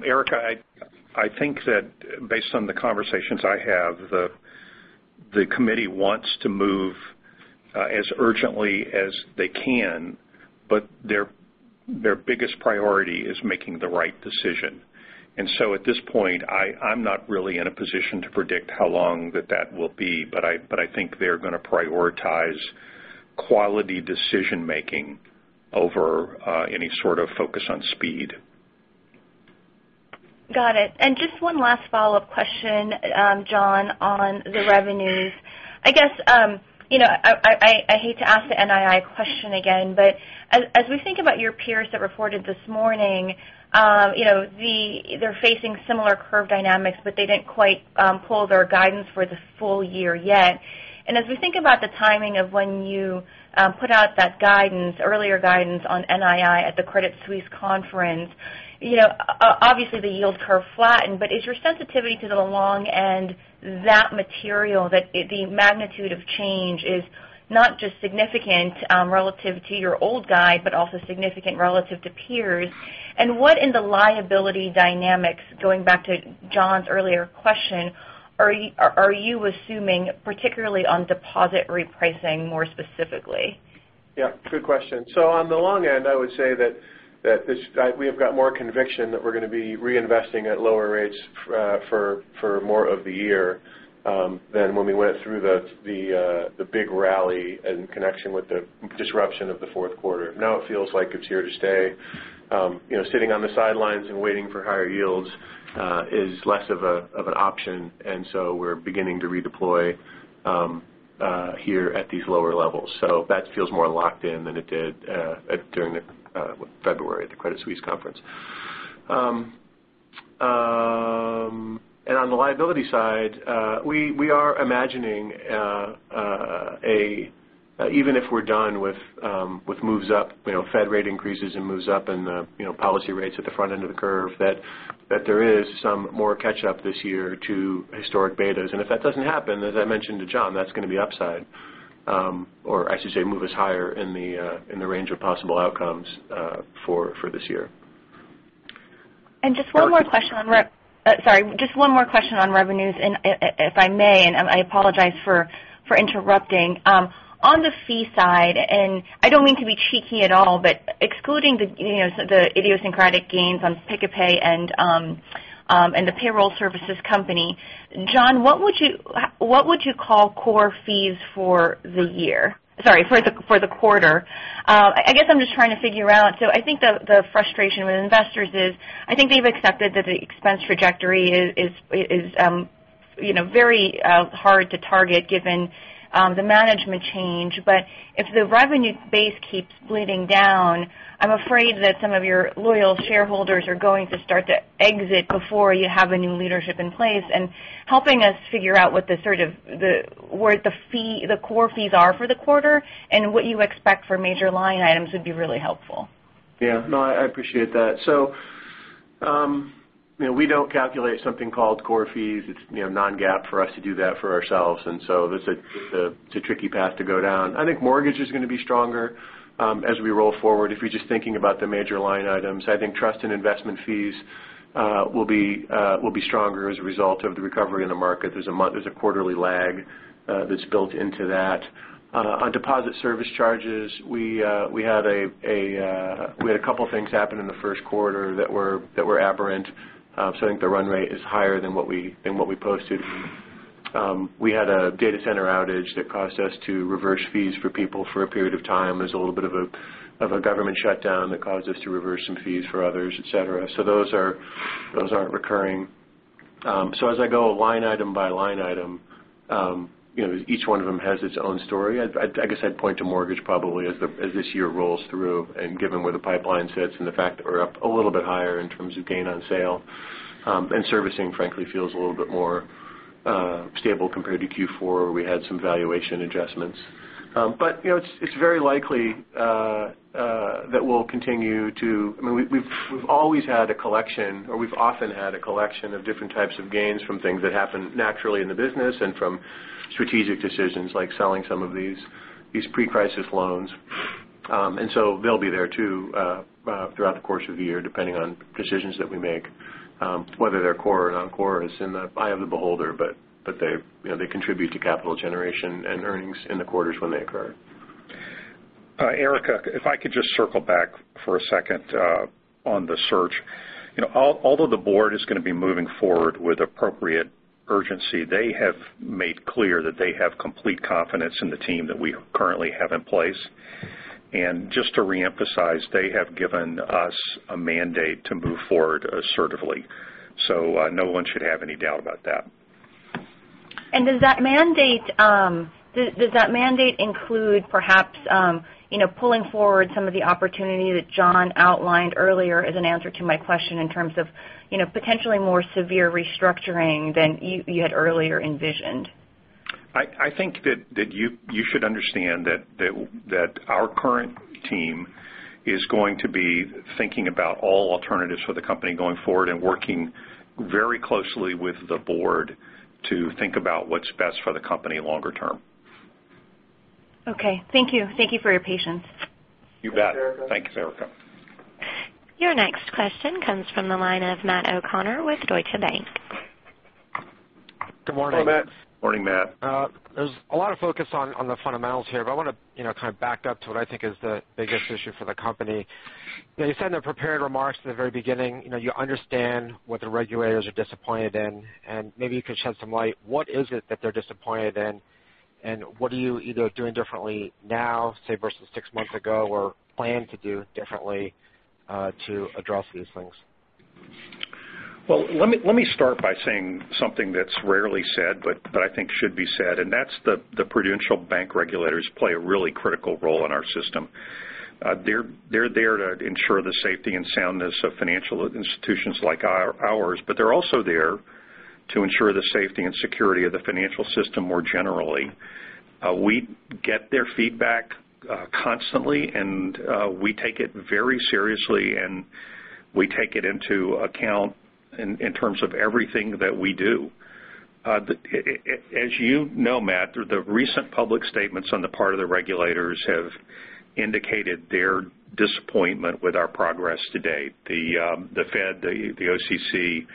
Erika, I think that based on the conversations I have, the committee wants to move as urgently as they can, but their biggest priority is making the right decision. At this point, I'm not really in a position to predict how long that will be. I think they're going to prioritize quality decision-making over any sort of focus on speed. Got it. Just one last follow-up question, John, on the revenues. I guess, I hate to ask the NII question again, but as we think about your peers that reported this morning, they're facing similar curve dynamics, but they didn't quite pull their guidance for the full year yet. As we think about the timing of when you put out that earlier guidance on NII at the Credit Suisse conference, obviously the yield curve flattened, but is your sensitivity to the long end that material that the magnitude of change is not just significant relative to your old guide, but also significant relative to peers? What in the liability dynamics, going back to John's earlier question, are you assuming, particularly on deposit repricing more specifically? Yeah, good question. On the long end, I would say that we have got more conviction that we're going to be reinvesting at lower rates for more of the year than when we went through the big rally in connection with the disruption of the fourth quarter. Now it feels like it's here to stay. Sitting on the sidelines and waiting for higher yields is less of an option. We're beginning to redeploy here at these lower levels. That feels more locked in than it did during February at the Credit Suisse conference. On the liability side, we are imagining, even if we're done with moves up, Fed rate increases and moves up in the policy rates at the front end of the curve, that there is some more catch up this year to historic betas. If that doesn't happen, as I mentioned to John, that's going to be upside, or I should say, move us higher in the range of possible outcomes for this year. Just one more question on revenues, if I may, I apologize for interrupting. On the fee side, I don't mean to be cheeky at all, but excluding the idiosyncratic gains on Pick-a-Payment and the payroll services company, John, what would you call core fees for the year? Sorry, for the quarter. I guess I'm just trying to figure out. I think the frustration with investors is, I think they've accepted that the expense trajectory is very hard to target given the management change. If the revenue base keeps bleeding down, I'm afraid that some of your loyal shareholders are going to start to exit before you have a new leadership in place. Helping us figure out where the core fees are for the quarter and what you expect for major line items would be really helpful. Yeah. No, I appreciate that. We don't calculate something called core fees. It's non-GAAP for us to do that for ourselves, it's a tricky path to go down. I think mortgage is going to be stronger as we roll forward if you're just thinking about the major line items. I think trust and investment fees will be stronger as a result of the recovery in the market. There's a quarterly lag that's built into that. On deposit service charges, we had a couple of things happen in the first quarter that were aberrant. I think the run rate is higher than what we posted. We had a data center outage that caused us to reverse fees for people for a period of time. There was a little bit of a government shutdown that caused us to reverse some fees for others, et cetera. Those aren't recurring. As I go line item by line item, each one of them has its own story. I guess I'd point to mortgage probably as this year rolls through, given where the pipeline sits and the fact that we're up a little bit higher in terms of gain on sale. Servicing, frankly, feels a little bit more stable compared to Q4 where we had some valuation adjustments. It's very likely that we'll continue to We've always had a collection, or we've often had a collection of different types of gains from things that happen naturally in the business and from strategic decisions like selling some of these pre-crisis loans. They'll be there too throughout the course of the year, depending on decisions that we make. Whether they're core or non-core is in the eye of the beholder, but they contribute to capital generation and earnings in the quarters when they occur. Erika, if I could just circle back for a second on the search. Although the Board is going to be moving forward with appropriate urgency, they have made clear that they have complete confidence in the team that we currently have in place. Just to reemphasize, they have given us a mandate to move forward assertively. No one should have any doubt about that. Does that mandate include perhaps pulling forward some of the opportunity that John outlined earlier as an answer to my question in terms of potentially more severe restructuring than you had earlier envisioned? I think that you should understand that our current team is going to be thinking about all alternatives for the company going forward and working very closely with the Board to think about what's best for the company longer term. Okay. Thank you. Thank you for your patience. You bet. Thanks, Erika. Thanks, Erika. Your next question comes from the line of Matthew O'Connor with Deutsche Bank. Good morning. Hello, Matt. Morning, Matt. There's a lot of focus on the fundamentals here, but I want to kind of back up to what I think is the biggest issue for the company. You said in the prepared remarks at the very beginning, you understand what the regulators are disappointed in, and maybe you could shed some light. What is it that they're disappointed in, and what are you either doing differently now, say, versus six months ago, or plan to do differently to address these things? Well, let me start by saying something that's rarely said but I think should be said, and that's the prudential bank regulators play a really critical role in our system. They're there to ensure the safety and soundness of financial institutions like ours, but they're also there to ensure the safety and security of the financial system more generally. We get their feedback constantly, and we take it very seriously, and we take it into account in terms of everything that we do. As you know, Matt, the recent public statements on the part of the regulators have indicated their disappointment with our progress to date. The Fed, the OCC,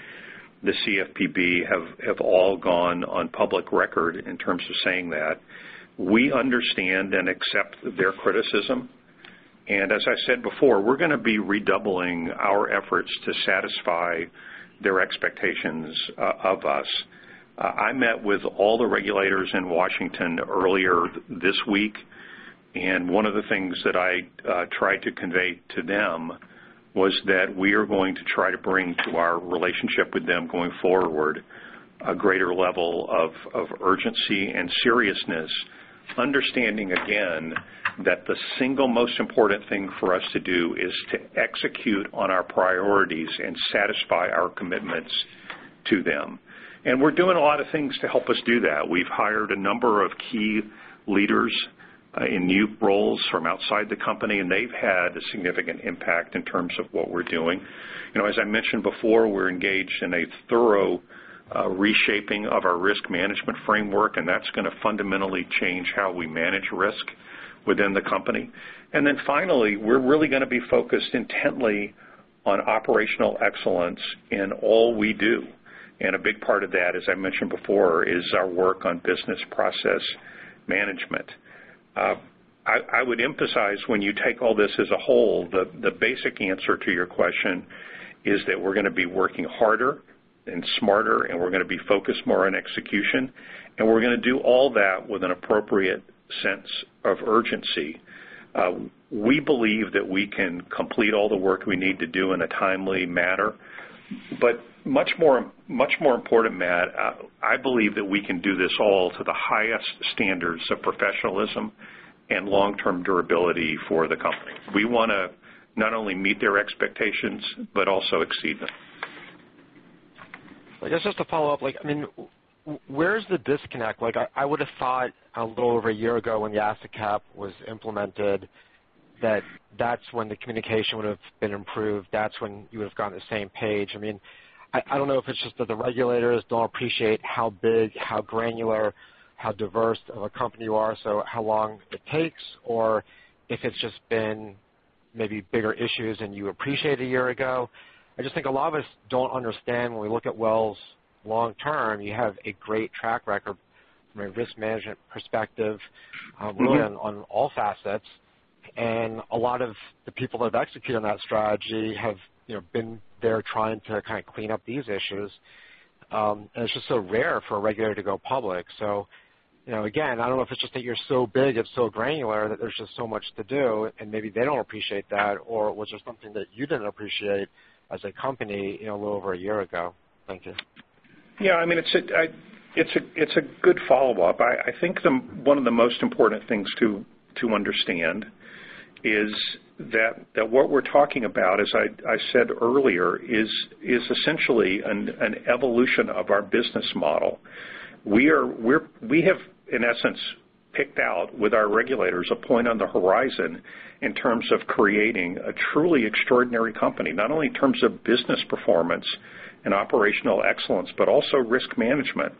the CFPB have all gone on public record in terms of saying that. We understand and accept their criticism. As I said before, we're going to be redoubling our efforts to satisfy their expectations of us. I met with all the regulators in Washington earlier this week, one of the things that I tried to convey to them was that we are going to try to bring to our relationship with them going forward a greater level of urgency and seriousness. Understanding, again, that the single most important thing for us to do is to execute on our priorities and satisfy our commitments to them. We're doing a lot of things to help us do that. We've hired a number of key leaders in new roles from outside the company, and they've had a significant impact in terms of what we're doing. As I mentioned before, we're engaged in a thorough reshaping of our risk management framework, and that's going to fundamentally change how we manage risk within the company. Finally, we're really going to be focused intently on operational excellence in all we do. A big part of that, as I mentioned before, is our work on business process management. I would emphasize when you take all this as a whole, the basic answer to your question is that we're going to be working harder and smarter, and we're going to be focused more on execution, and we're going to do all that with an appropriate sense of urgency. We believe that we can complete all the work we need to do in a timely manner. Much more important, Matt, I believe that we can do this all to the highest standards of professionalism and long-term durability for the company. We want to not only meet their expectations but also exceed them. Just to follow up. Where's the disconnect? I would have thought a little over a year ago when the asset cap was implemented, that that's when the communication would have been improved. That's when you would have gotten the same page. I don't know if it's just that the regulators don't appreciate how big, how granular, how diverse of a company you are, so how long it takes, or if it's just been maybe bigger issues than you appreciated a year ago. I just think a lot of us don't understand when we look at Wells long term, you have a great track record from a risk management perspective. really on all facets. A lot of the people that have executed on that strategy have been there trying to clean up these issues. It's just so rare for a regulator to go public. Again, I don't know if it's just that you're so big and so granular that there's just so much to do, and maybe they don't appreciate that. Or was there something that you didn't appreciate as a company a little over a year ago? Thank you. Yeah. It's a good follow-up. I think one of the most important things to understand is that what we're talking about, as I said earlier, is essentially an evolution of our business model. We have, in essence, picked out with our regulators a point on the horizon in terms of creating a truly extraordinary company, not only in terms of business performance and operational excellence, but also risk management.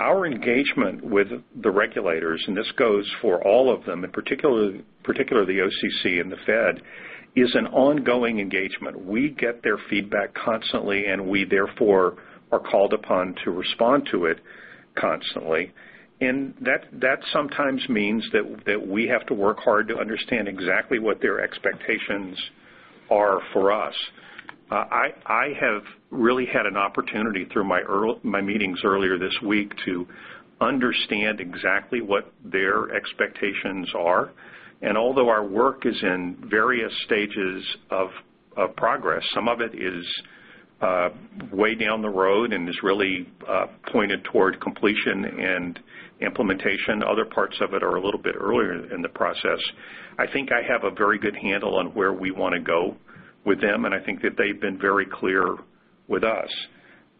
Our engagement with the regulators, and this goes for all of them, in particular the OCC and the Fed, is an ongoing engagement. We get their feedback constantly, and we therefore are called upon to respond to it constantly. That sometimes means that we have to work hard to understand exactly what their expectations are for us. I have really had an opportunity through my meetings earlier this week to understand exactly what their expectations are. Although our work is in various stages of progress, some of it is way down the road and is really pointed toward completion and implementation. Other parts of it are a little bit earlier in the process. I think I have a very good handle on where we want to go with them, and I think that they've been very clear with us.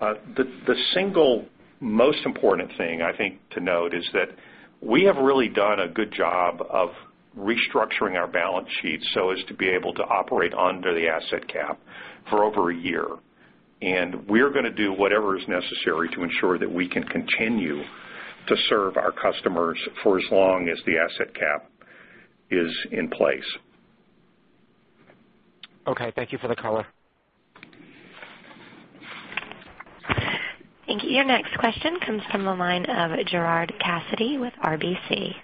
The single most important thing I think to note is that we have really done a good job of restructuring our balance sheet so as to be able to operate under the asset cap for over a year. We're going to do whatever is necessary to ensure that we can continue to serve our customers for as long as the asset cap is in place. Okay. Thank you for the color. Thank you. Your next question comes from the line of Gerard Cassidy with RBC.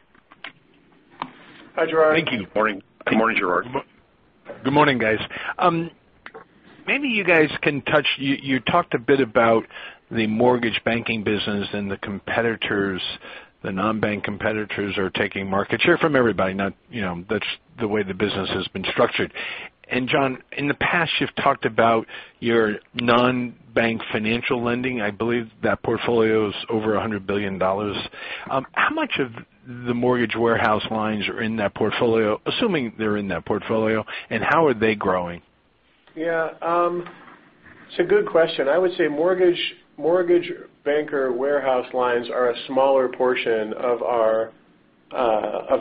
Hi, Gerard. Thank you. Morning. Good morning, Gerard. Good morning, guys. You talked a bit about the mortgage banking business and the competitors, the non-bank competitors are taking market share from everybody. That's the way the business has been structured. John, in the past, you've talked about your non-bank financial lending. I believe that portfolio is over $100 billion. How much of the mortgage warehouse lines are in that portfolio, assuming they're in that portfolio, and how are they growing? Yeah. It's a good question. I would say mortgage banker warehouse lines are a smaller portion of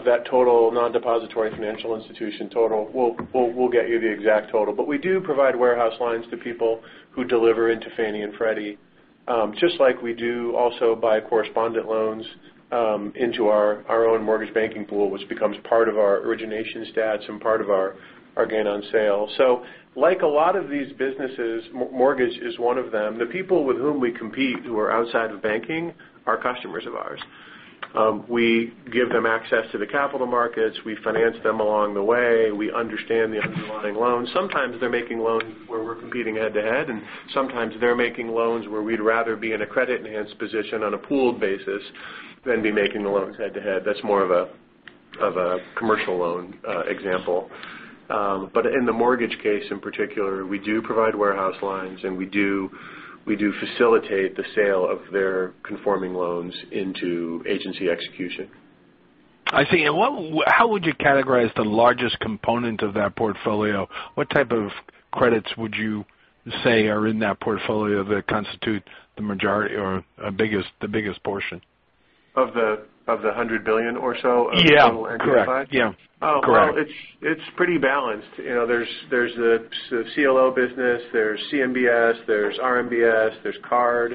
that total non-depository financial institution total. We'll get you the exact total. We do provide warehouse lines to people who deliver into Fannie and Freddie, just like we do also by correspondent loans into our own mortgage banking pool, which becomes part of our origination stats and part of our gain on sale. Like a lot of these businesses, mortgage is one of them. The people with whom we compete who are outside of banking are customers of ours. We give them access to the capital markets. We finance them along the way. We understand the underlying loans. Sometimes they're making loans where we're competing head-to-head, and sometimes they're making loans where we'd rather be in a credit-enhanced position on a pooled basis than be making the loans head-to-head. That's more of a commercial loan example. In the mortgage case, in particular, we do provide warehouse lines, and we do facilitate the sale of their conforming loans into agency execution. I see. How would you categorize the largest component of that portfolio? What type of credits would you say are in that portfolio that constitute the majority or the biggest portion? Of the $100 billion or so- Yeah. Of total enterprise? Correct. Yeah. Correct. Oh, well, it's pretty balanced. There's the CLO business, there's CMBS, there's RMBS, there's CARD,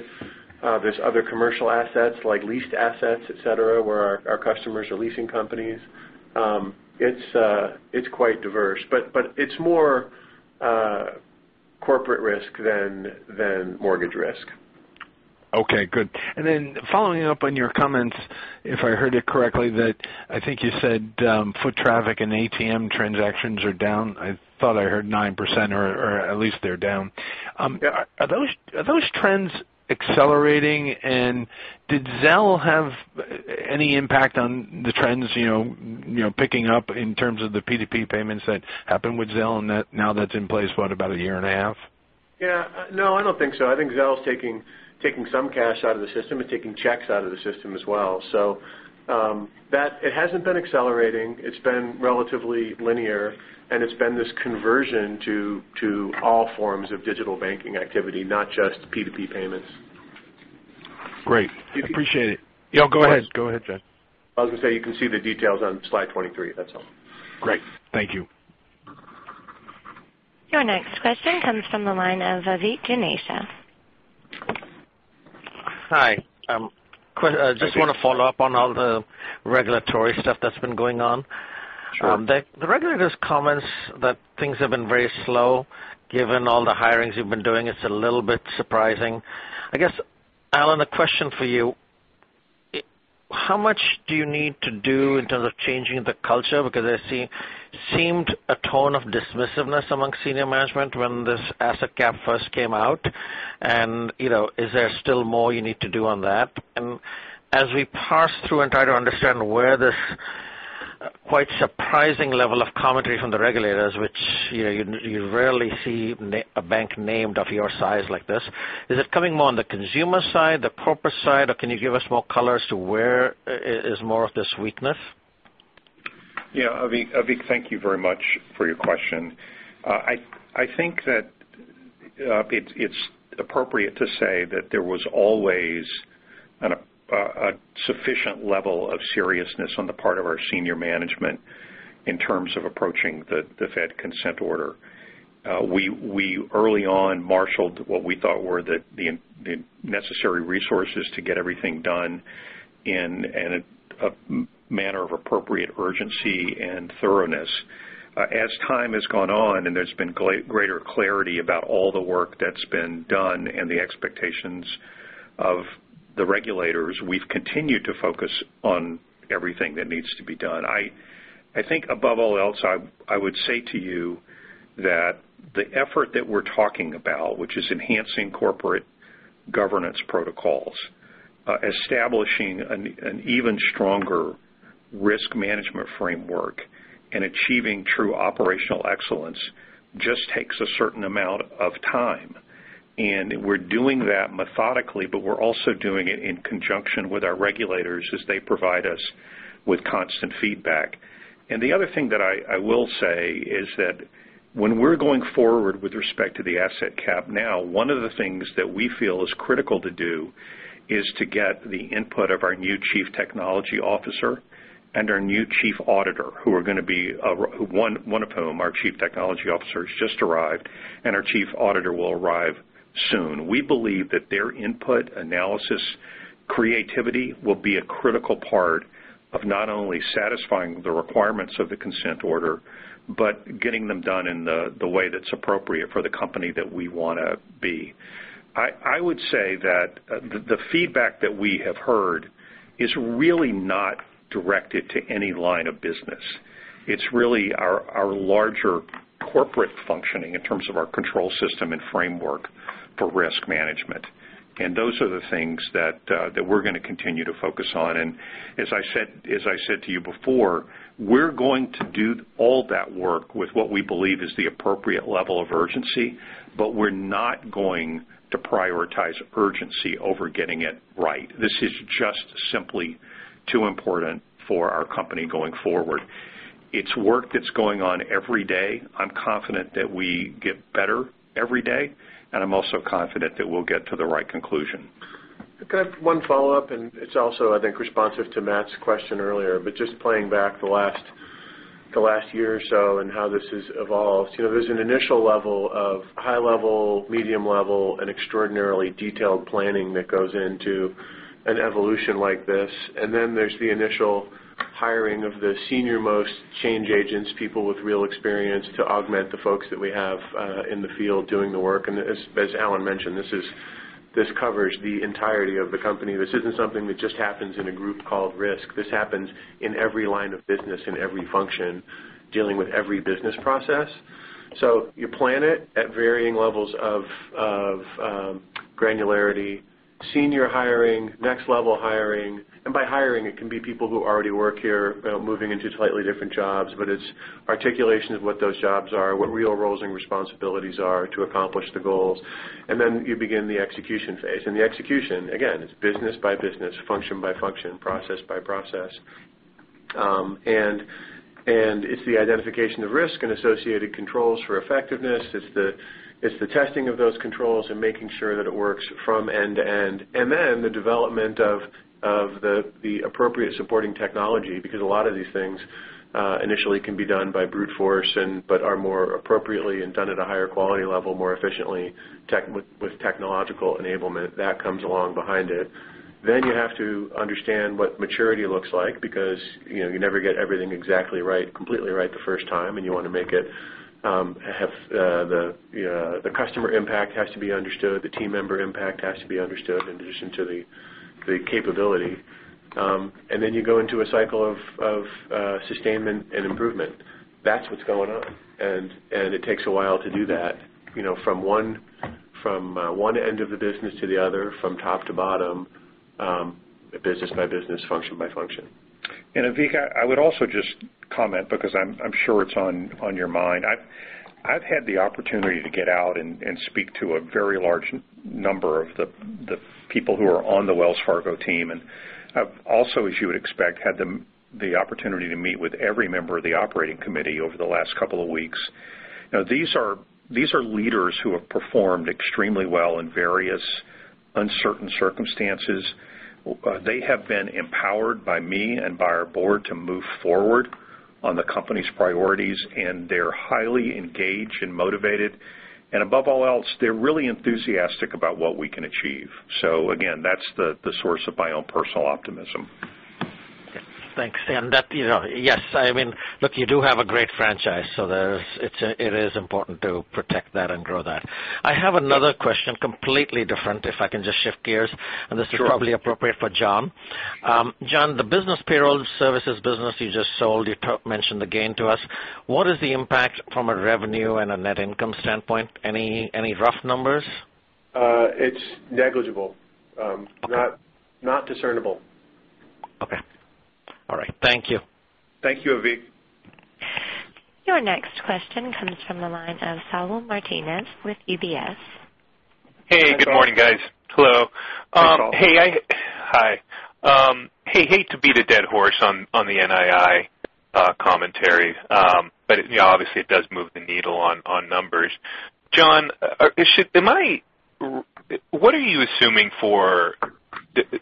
there's other commercial assets, like leased assets, et cetera, where our customers are leasing companies. It's quite diverse, but it's more corporate risk than mortgage risk. Okay, good. Following up on your comments, if I heard it correctly, that I think you said foot traffic and ATM transactions are down. I thought I heard 9%, or at least they're down. Are those trends accelerating? Did Zelle have any impact on the trends, picking up in terms of the P2P payments that happened with Zelle, and now that's in place for about a year and a half? Yeah. No, I don't think so. I think Zelle's taking some cash out of the system and taking checks out of the system as well. It hasn't been accelerating. It's been relatively linear, and it's been this conversion to all forms of digital banking activity, not just P2P payments. Great. Appreciate it. Yeah, go ahead. Go ahead, John. I was going to say, you can see the details on slide 23. That's all. Great. Thank you. Your next question comes from the line of Vivek Juneja. Hi. Vivek. Just want to follow up on all the regulatory stuff that's been going on. Sure. The regulator's comments that things have been very slow, given all the hirings you've been doing, it's a little bit surprising. I guess, Allen, a question for you, how much do you need to do in terms of changing the culture? Because there seemed a tone of dismissiveness among senior management when this asset cap first came out. Is there still more you need to do on that? As we parse through and try to understand where this quite surprising level of commentary from the regulators, which you rarely see a bank named of your size like this, is it coming more on the consumer side, the corporate side, or can you give us more color as to where is more of this weakness? Yeah. Vivek, thank you very much for your question. I think that it's appropriate to say that there was always a sufficient level of seriousness on the part of our senior management in terms of approaching the Fed consent order. We early on marshaled what we thought were the necessary resources to get everything done in a manner of appropriate urgency and thoroughness. As time has gone on and there's been greater clarity about all the work that's been done and the expectations of the regulators, we've continued to focus on everything that needs to be done. I think above all else, I would say to you that the effort that we're talking about, which is enhancing corporate governance protocols, establishing an even stronger risk management framework, and achieving true operational excellence, just takes a certain amount of time. We're doing that methodically, but we're also doing it in conjunction with our regulators as they provide us with constant feedback. The other thing that I will say is that when we're going forward with respect to the asset cap now, one of the things that we feel is critical to do is to get the input of our new chief technology officer and our new Chief Auditor. One of whom, our chief technology officer, has just arrived, and our Chief Auditor will arrive soon. We believe that their input, analysis, creativity will be a critical part of not only satisfying the requirements of the consent order but getting them done in the way that's appropriate for the company that we want to be. I would say that the feedback that we have heard is really not directed to any line of business. It's really our larger corporate functioning in terms of our control system and framework for risk management. Those are the things that we're going to continue to focus on. As I said to you before, we're going to do all that work with what we believe is the appropriate level of urgency, but we're not going to prioritize urgency over getting it right. This is just simply too important for our company going forward. It's work that's going on every day. I'm confident that we get better every day, and I'm also confident that we'll get to the right conclusion. Can I have one follow-up, and it's also, I think, responsive to Matt's question earlier, but just playing back the last year or so and how this has evolved. There's an initial level of high level, medium level, and extraordinarily detailed planning that goes into an evolution like this. Then there's the initial hiring of the senior-most change agents, people with real experience to augment the folks that we have in the field doing the work. As Allen mentioned, this covers the entirety of the company. This isn't something that just happens in a group called risk. This happens in every line of business, in every function, dealing with every business process. You plan it at varying levels of granularity, senior hiring, next-level hiring. By hiring, it can be people who already work here, moving into slightly different jobs, but it's articulation of what those jobs are, what real roles and responsibilities are to accomplish the goals. You begin the execution phase. The execution, again, is business by business, function by function, process by process. It's the identification of risk and associated controls for effectiveness. It's the testing of those controls and making sure that it works from end to end. The development of the appropriate supporting technology, because a lot of these things initially can be done by brute force, but are more appropriately and done at a higher quality level, more efficiently with technological enablement. That comes along behind it. You have to understand what maturity looks like because you never get everything exactly right, completely right the first time, and you want to make it have the customer impact has to be understood, the team member impact has to be understood in addition to the capability. You go into a cycle of sustainment and improvement. That's what's going on, and it takes a while to do that from one end of the business to the other, from top to bottom, business by business, function by function. Vivek, I would also just comment because I'm sure it's on your mind. I've had the opportunity to get out and speak to a very large number of the people who are on the Wells Fargo team, and I've also, as you would expect, had the opportunity to meet with every member of the operating committee over the last couple of weeks. These are leaders who have performed extremely well in various uncertain circumstances. They have been empowered by me and by our board to move forward on the company's priorities, and they're highly engaged and motivated. Above all else, they're really enthusiastic about what we can achieve. Again, that's the source of my own personal optimism. Thanks. Yes, look, you do have a great franchise, so it is important to protect that and grow that. I have another question, completely different, if I can just shift gears. Sure. This is probably appropriate for John. John, the business payroll services business you just sold, you mentioned the gain to us. What is the impact from a revenue and a net income standpoint? Any rough numbers? It's negligible. Okay. Not discernible. Okay. All right. Thank you. Thank you, Vivek. Your next question comes from the line of Saul Martinez with UBS. Hey, good morning, guys. Hello. Hi, Saul. Hi. Hate to beat a dead horse on the NII commentary, but obviously it does move the needle on numbers. John, what are you assuming for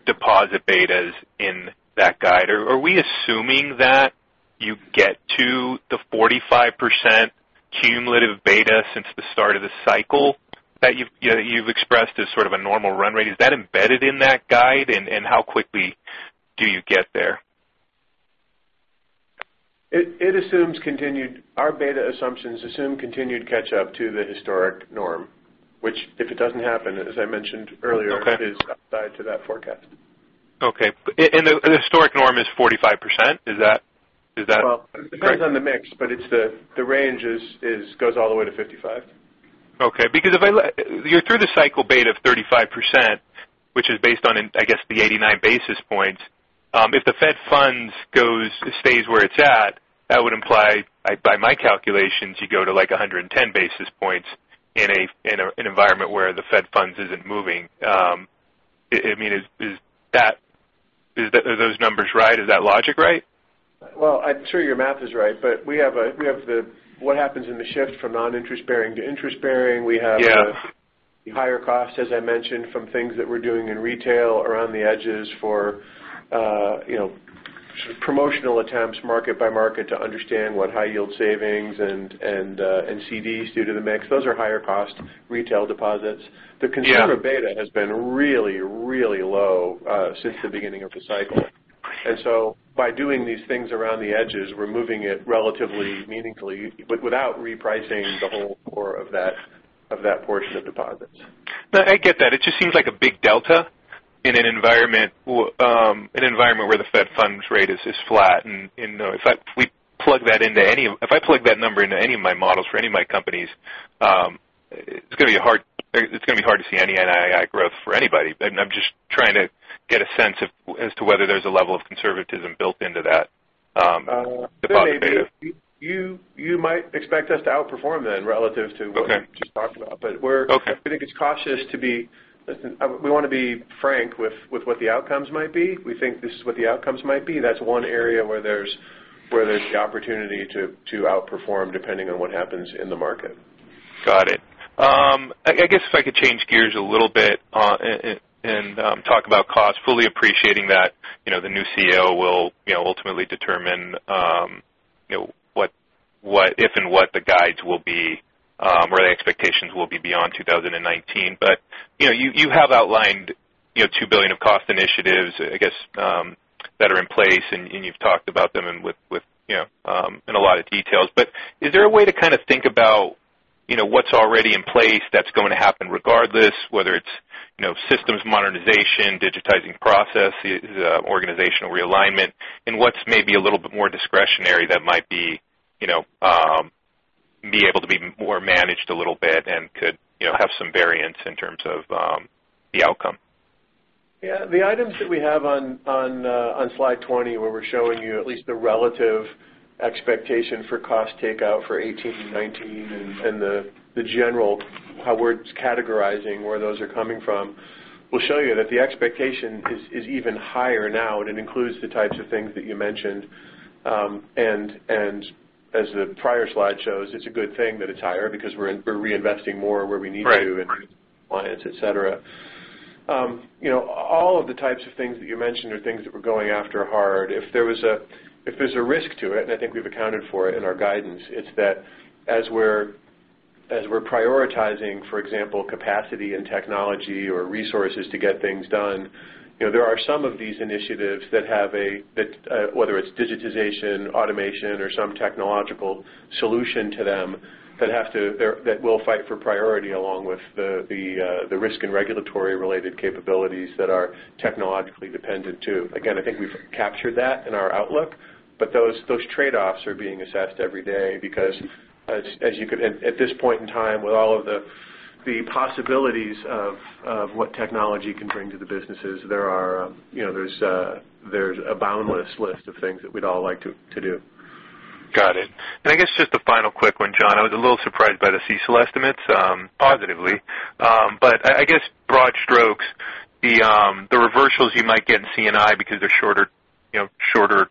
deposit betas in that guide? Are we assuming that you get to the 45% cumulative beta since the start of the cycle that you've expressed as sort of a normal run rate? Is that embedded in that guide, and how quickly do you get there? Our beta assumptions assume continued catch up to the historic norm, which if it doesn't happen, as I mentioned earlier. Okay it is upside to that forecast. Okay. The historic norm is 45%? Is that correct? Well, it depends on the mix, the range goes all the way to 55. Okay. Your through the cycle beta of 35%, which is based on, I guess the 89 basis points. If the Fed funds stays where it's at, that would imply, by my calculations, you go to 110 basis points in an environment where the Fed funds isn't moving. Are those numbers right? Is that logic right? Well, I'm sure your math is right, we have what happens in the shift from non-interest bearing to interest bearing. Yeah. We have the higher cost, as I mentioned, from things that we're doing in retail around the edges for promotional attempts market by market to understand what high yield savings and CDs do to the mix. Those are higher cost retail deposits. Yeah. The consumer beta has been really low since the beginning of the cycle. By doing these things around the edges, we're moving it relatively meaningfully without repricing the whole core of that portion of deposits. No, I get that. It just seems like a big delta in an environment where the Fed funds rate is flat. If I plug that number into any of my models for any of my companies, it's going to be hard to see any NII growth for anybody. I'm just trying to get a sense as to whether there's a level of conservatism built into that deposit beta. You might expect us to outperform then relative to- Okay what we just talked about. Okay. Listen, we want to be frank with what the outcomes might be. We think this is what the outcomes might be. That's one area where there's the opportunity to outperform depending on what happens in the market. Got it. I guess if I could change gears a little bit and talk about cost, fully appreciating that the new CEO will ultimately determine what if and what the guides will be or the expectations will be beyond 2019. You have outlined $2 billion of cost initiatives, I guess, that are in place, and you've talked about them in a lot of details. Is there a way to think about what's already in place that's going to happen regardless, whether it's systems modernization, digitizing process, organizational realignment, and what's maybe a little bit more discretionary that might be able to be more managed a little bit and could have some variance in terms of the outcome? Yeah. The items that we have on slide 20, where we're showing you at least the relative expectation for cost takeout for 2018 and 2019, and the general how we're categorizing where those are coming from, will show you that the expectation is even higher now, and it includes the types of things that you mentioned. As the prior slide shows, it's a good thing that it's higher because we're reinvesting more where we need to. Right Clients, et cetera. All of the types of things that you mentioned are things that we're going after hard. If there's a risk to it, and I think we've accounted for it in our guidance, it's that as we're prioritizing, for example, capacity and technology or resources to get things done, there are some of these initiatives that have a whether it's digitization, automation, or some technological solution to them that will fight for priority along with the risk and regulatory related capabilities that are technologically dependent, too. Again, I think we've captured that in our outlook. Those trade-offs are being assessed every day because at this point in time, with all of the possibilities of what technology can bring to the businesses, there's a boundless list of things that we'd all like to do. Got it. I guess just a final quick one, John. I was a little surprised by the CECL estimates, positively. I guess broad strokes, the reversals you might get in C&I because they're shorter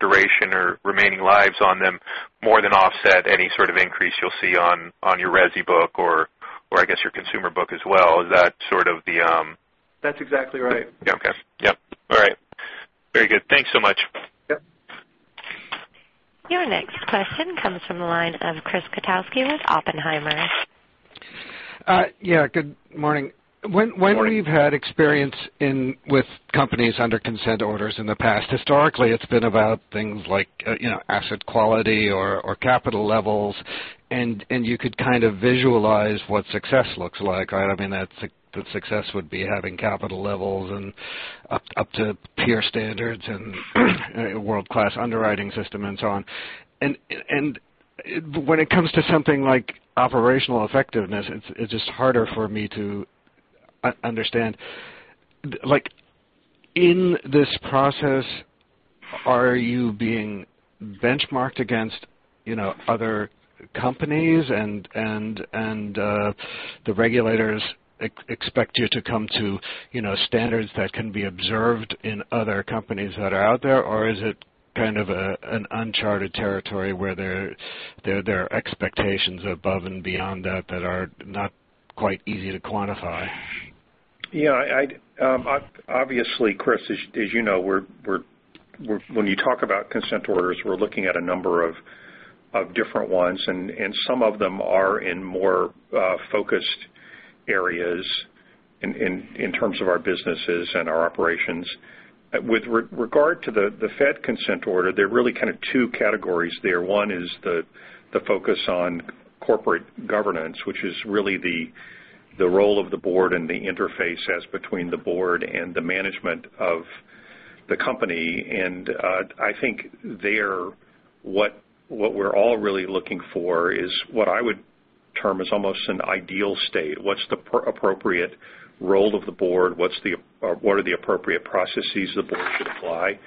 duration or remaining lives on them more than offset any sort of increase you'll see on your resi book or I guess your consumer book as well. Is that sort of the- That's exactly right. Okay. Yep. All right. Very good. Thanks so much. Yep. Your next question comes from the line of Chris Kotowski with Oppenheimer. Yeah. Good morning. Good morning. When we've had experience with companies under consent orders in the past, historically, it's been about things like asset quality or capital levels, and you could kind of visualize what success looks like. I mean, that success would be having capital levels and up to peer standards and a world-class underwriting system and so on. When it comes to something like operational effectiveness, it's just harder for me to understand. In this process, are you being benchmarked against other companies, and the regulators expect you to come to standards that can be observed in other companies that are out there, or is it kind of an uncharted territory where there are expectations above and beyond that that are not quite easy to quantify? Yeah. Obviously, Chris, as you know, when you talk about consent orders, we're looking at a number of different ones, and some of them are in more focused areas in terms of our businesses and our operations. With regard to the Fed consent order, there are really kind of two categories there. One is the focus on corporate governance, which is really the role of the board and the interface as between the board and the management of the company. I think there what we're all really looking for is what I would term as almost an ideal state. What's the appropriate role of the board? What are the appropriate processes the board should apply?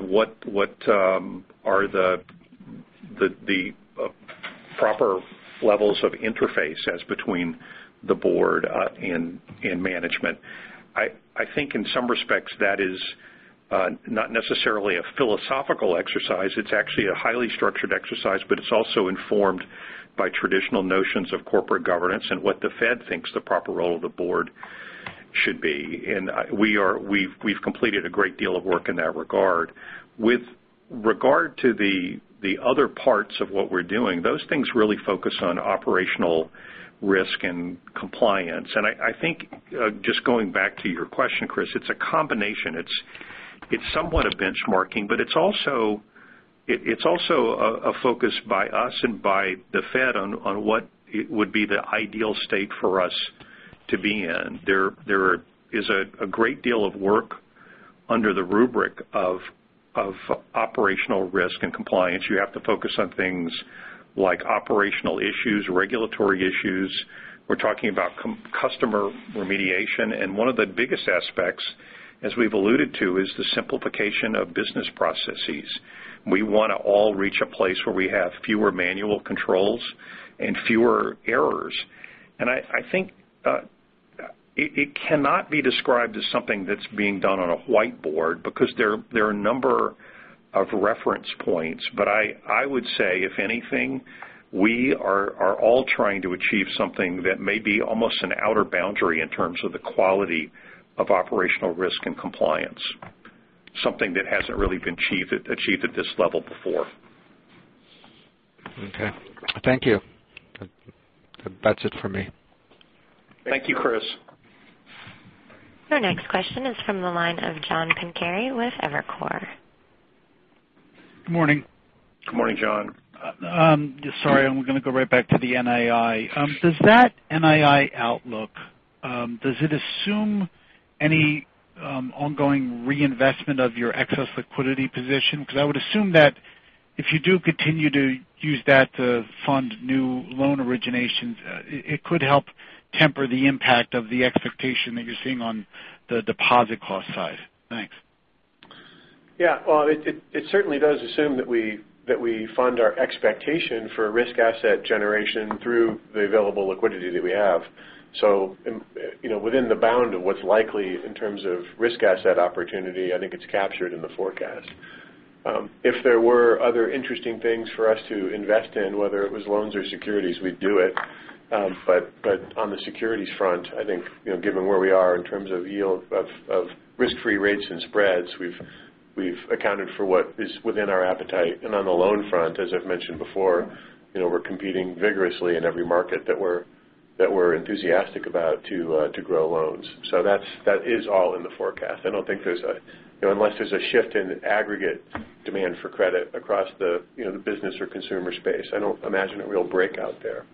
What are the proper levels of interface as between the board and management? I think in some respects that is not necessarily a philosophical exercise. It's actually a highly structured exercise, but it's also informed by traditional notions of corporate governance and what the Fed thinks the proper role of the board should be. We've completed a great deal of work in that regard. With regard to the other parts of what we're doing, those things really focus on operational risk and compliance. I think just going back to your question, Chris, it's a combination. It's somewhat of benchmarking, but it's also a focus by us and by the Fed on what would be the ideal state for us to be in. There is a great deal of work under the rubric of operational risk and compliance. You have to focus on things like operational issues, regulatory issues. We're talking about customer remediation, and one of the biggest aspects, as we've alluded to, is the simplification of business processes. We want to all reach a place where we have fewer manual controls and fewer errors. I think it cannot be described as something that's being done on a whiteboard because there are a number of reference points. I would say, if anything, we are all trying to achieve something that may be almost an outer boundary in terms of the quality of operational risk and compliance. Something that hasn't really been achieved at this level before. Okay. Thank you. That's it for me. Thank you, Chris. Your next question is from the line of John Pancari with Evercore. Good morning. Good morning, John. Sorry, I'm going to go right back to the NII. Does that NII outlook, does it assume any ongoing reinvestment of your excess liquidity position? Because I would assume that if you do continue to use that to fund new loan originations, it could help temper the impact of the expectation that you're seeing on the deposit cost side. Thanks. Yeah. Well, it certainly does assume that we fund our expectation for risk asset generation through the available liquidity that we have. Within the bound of what's likely in terms of risk asset opportunity, I think it's captured in the forecast. If there were other interesting things for us to invest in, whether it was loans or securities, we'd do it. On the securities front, I think, given where we are in terms of yield of risk-free rates and spreads, we've accounted for what is within our appetite. On the loan front, as I've mentioned before, we're competing vigorously in every market that we're enthusiastic about to grow loans. That is all in the forecast. I don't think there's unless there's a shift in aggregate demand for credit across the business or consumer space, I don't imagine a real breakout there.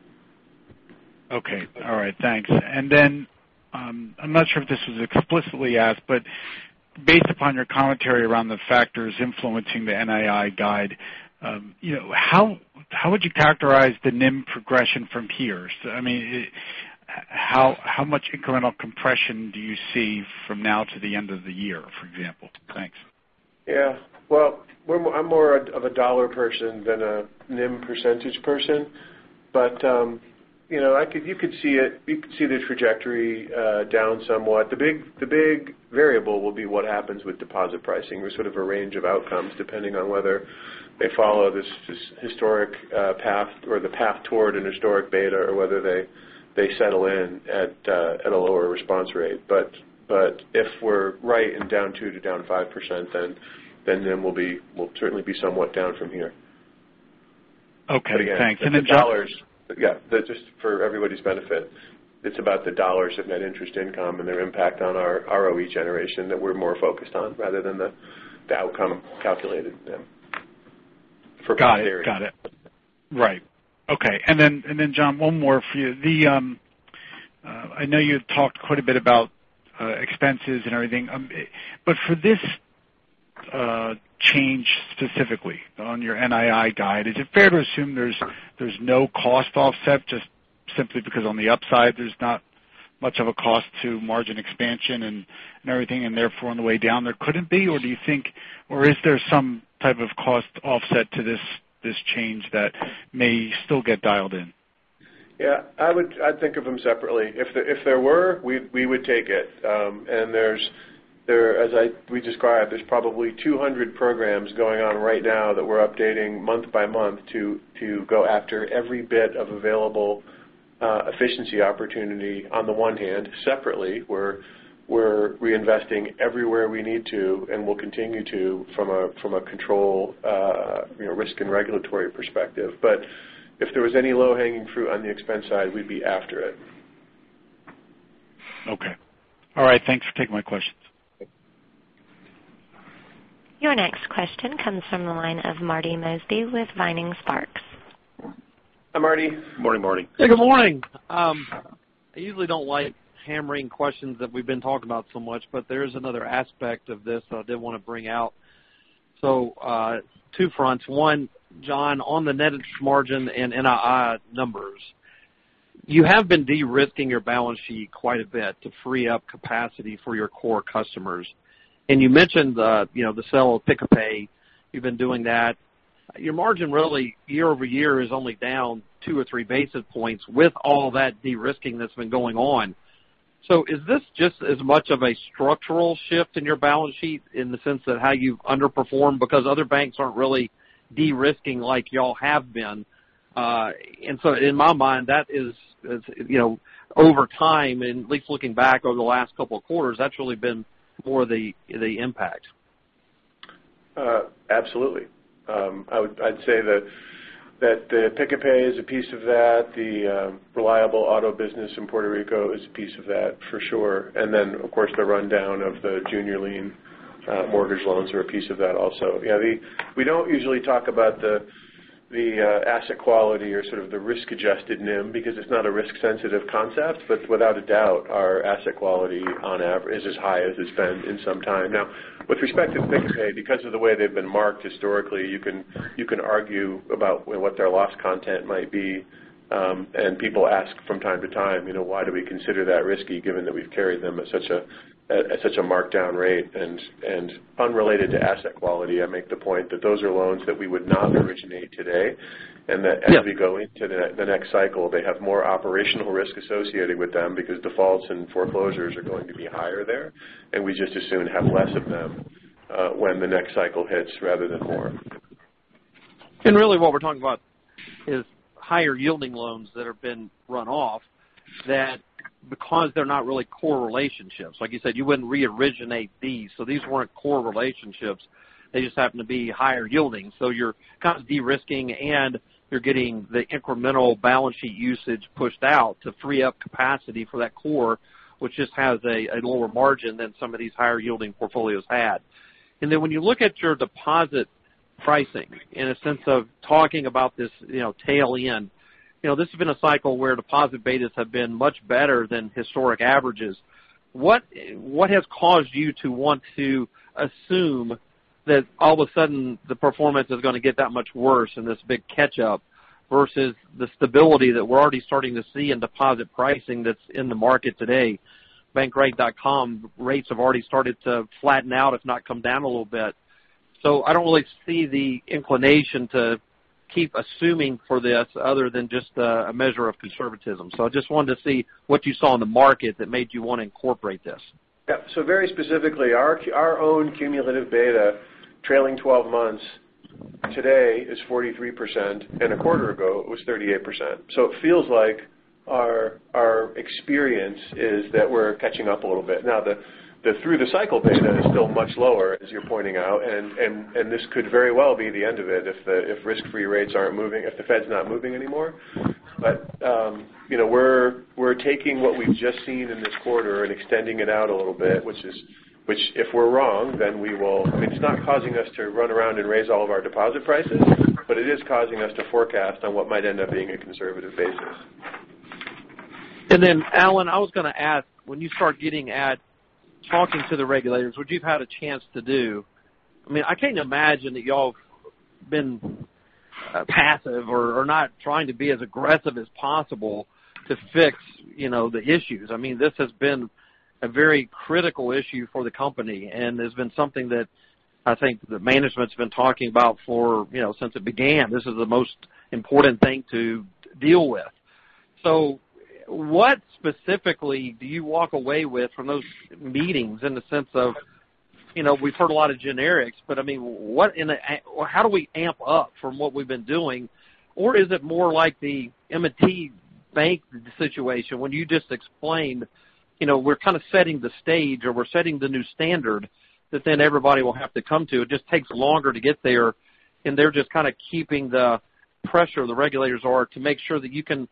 Okay. All right, thanks. Then, I'm not sure if this was explicitly asked, based upon your commentary around the factors influencing the NII guide, how would you characterize the NIM progression from peers? How much incremental compression do you see from now to the end of the year, for example? Thanks. Yeah. Well, I'm more of a dollar person than a NIM percentage person. You could see the trajectory down somewhat. The big variable will be what happens with deposit pricing. There's sort of a range of outcomes, depending on whether they follow this historic path or the path toward an historic beta or whether they settle in at a lower response rate. If we're right and down 2%-down 5%, NIM will certainly be somewhat down from here. Okay, thanks. John. Yeah. Just for everybody's benefit, it's about the dollars of net interest income and their impact on our ROE generation that we're more focused on rather than the outcome calculated NIM. For clarity. Got it. Right. Okay. John, one more for you. I know you've talked quite a bit about expenses and everything. For this change specifically on your NII guide, is it fair to assume there's no cost offset, just simply because on the upside, there's not much of a cost to margin expansion and everything, and therefore on the way down there couldn't be? Or is there some type of cost offset to this change that may still get dialed in? Yeah. I'd think of them separately. If there were, we would take it. As we described, there's probably 200 programs going on right now that we're updating month by month to go after every bit of available efficiency opportunity on the one hand. Separately, we're reinvesting everywhere we need to and will continue to from a control risk and regulatory perspective. If there was any low-hanging fruit on the expense side, we'd be after it. Okay. All right. Thanks for taking my questions. Your next question comes from the line of Marty Mosby with Vining Sparks. Hi, Marty. Morning, Marty. Hey, good morning. I usually don't like hammering questions that we've been talking about so much, but there is another aspect of this that I did want to bring out. Two fronts. One, John, on the net interest margin and NII numbers. You have been de-risking your balance sheet quite a bit to free up capacity for your core customers. You mentioned the sale of Pick-a-Payment. You've been doing that. Your margin really year-over-year is only down two or three basis points with all that de-risking that's been going on. Is this just as much of a structural shift in your balance sheet in the sense that how you've underperformed because other banks aren't really de-risking like you all have been? In my mind, that is over time, and at least looking back over the last couple of quarters, that's really been more the impact. Absolutely. I'd say that the Pick-a-Payment is a piece of that. The Reliable auto business in Puerto Rico is a piece of that for sure. Of course, the rundown of the junior lien mortgage loans are a piece of that also. Yeah, we don't usually talk about the asset quality or sort of the risk-adjusted NIM because it's not a risk-sensitive concept. Without a doubt, our asset quality on average is as high as it's been in some time. Now, with respect to Pick-a-Payment, because of the way they've been marked historically, you can argue about what their loss content might be. People ask from time to time, why do we consider that risky given that we've carried them at such a markdown rate? Unrelated to asset quality, I make the point that those are loans that we would not originate today. Yeah. That as we go into the next cycle, they have more operational risk associated with them because defaults and foreclosures are going to be higher there. We'd just as soon have less of them when the next cycle hits rather than more. Really what we're talking about is higher yielding loans that have been run off that because they're not really core relationships. Like you said, you wouldn't re-originate these, so these weren't core relationships. They just happen to be higher yielding. You're kind of de-risking and you're getting the incremental balance sheet usage pushed out to free up capacity for that core, which just has a lower margin than some of these higher yielding portfolios had. Then when you look at your deposit pricing in a sense of talking about this tail end. This has been a cycle where deposit betas have been much better than historic averages. What has caused you to want to assume that all of a sudden the performance is going to get that much worse and this big catch-up versus the stability that we're already starting to see in deposit pricing that's in the market today? Bankrate.com rates have already started to flatten out, if not come down a little bit. I don't really see the inclination to keep assuming for this other than just a measure of conservatism. I just wanted to see what you saw in the market that made you want to incorporate this. Yeah. Very specifically, our own cumulative beta trailing 12 months today is 43%, and a quarter ago it was 38%. It feels like our experience is that we're catching up a little bit. Now, through the cycle beta is still much lower, as you're pointing out, and this could very well be the end of it if risk-free rates aren't moving, if the Fed's not moving anymore. We're taking what we've just seen in this quarter and extending it out a little bit. Which if we're wrong, then it's not causing us to run around and raise all of our deposit prices, but it is causing us to forecast on what might end up being a conservative basis. Allen, I was going to ask, when you start getting at talking to the regulators, which you've had a chance to do. I can't imagine that you all have been passive or not trying to be as aggressive as possible to fix the issues. This has been a very critical issue for the company, and it's been something that I think the management's been talking about since it began. This is the most important thing to deal with. What specifically do you walk away with from those meetings in the sense of, we've heard a lot of generics, but how do we amp up from what we've been doing? Or is it more like the M&T Bank situation when you just explained, we're kind of setting the stage or we're setting the new standard that everybody will have to come to. It just takes longer to get there, and they're just kind of keeping the pressure the regulators are to make sure that you can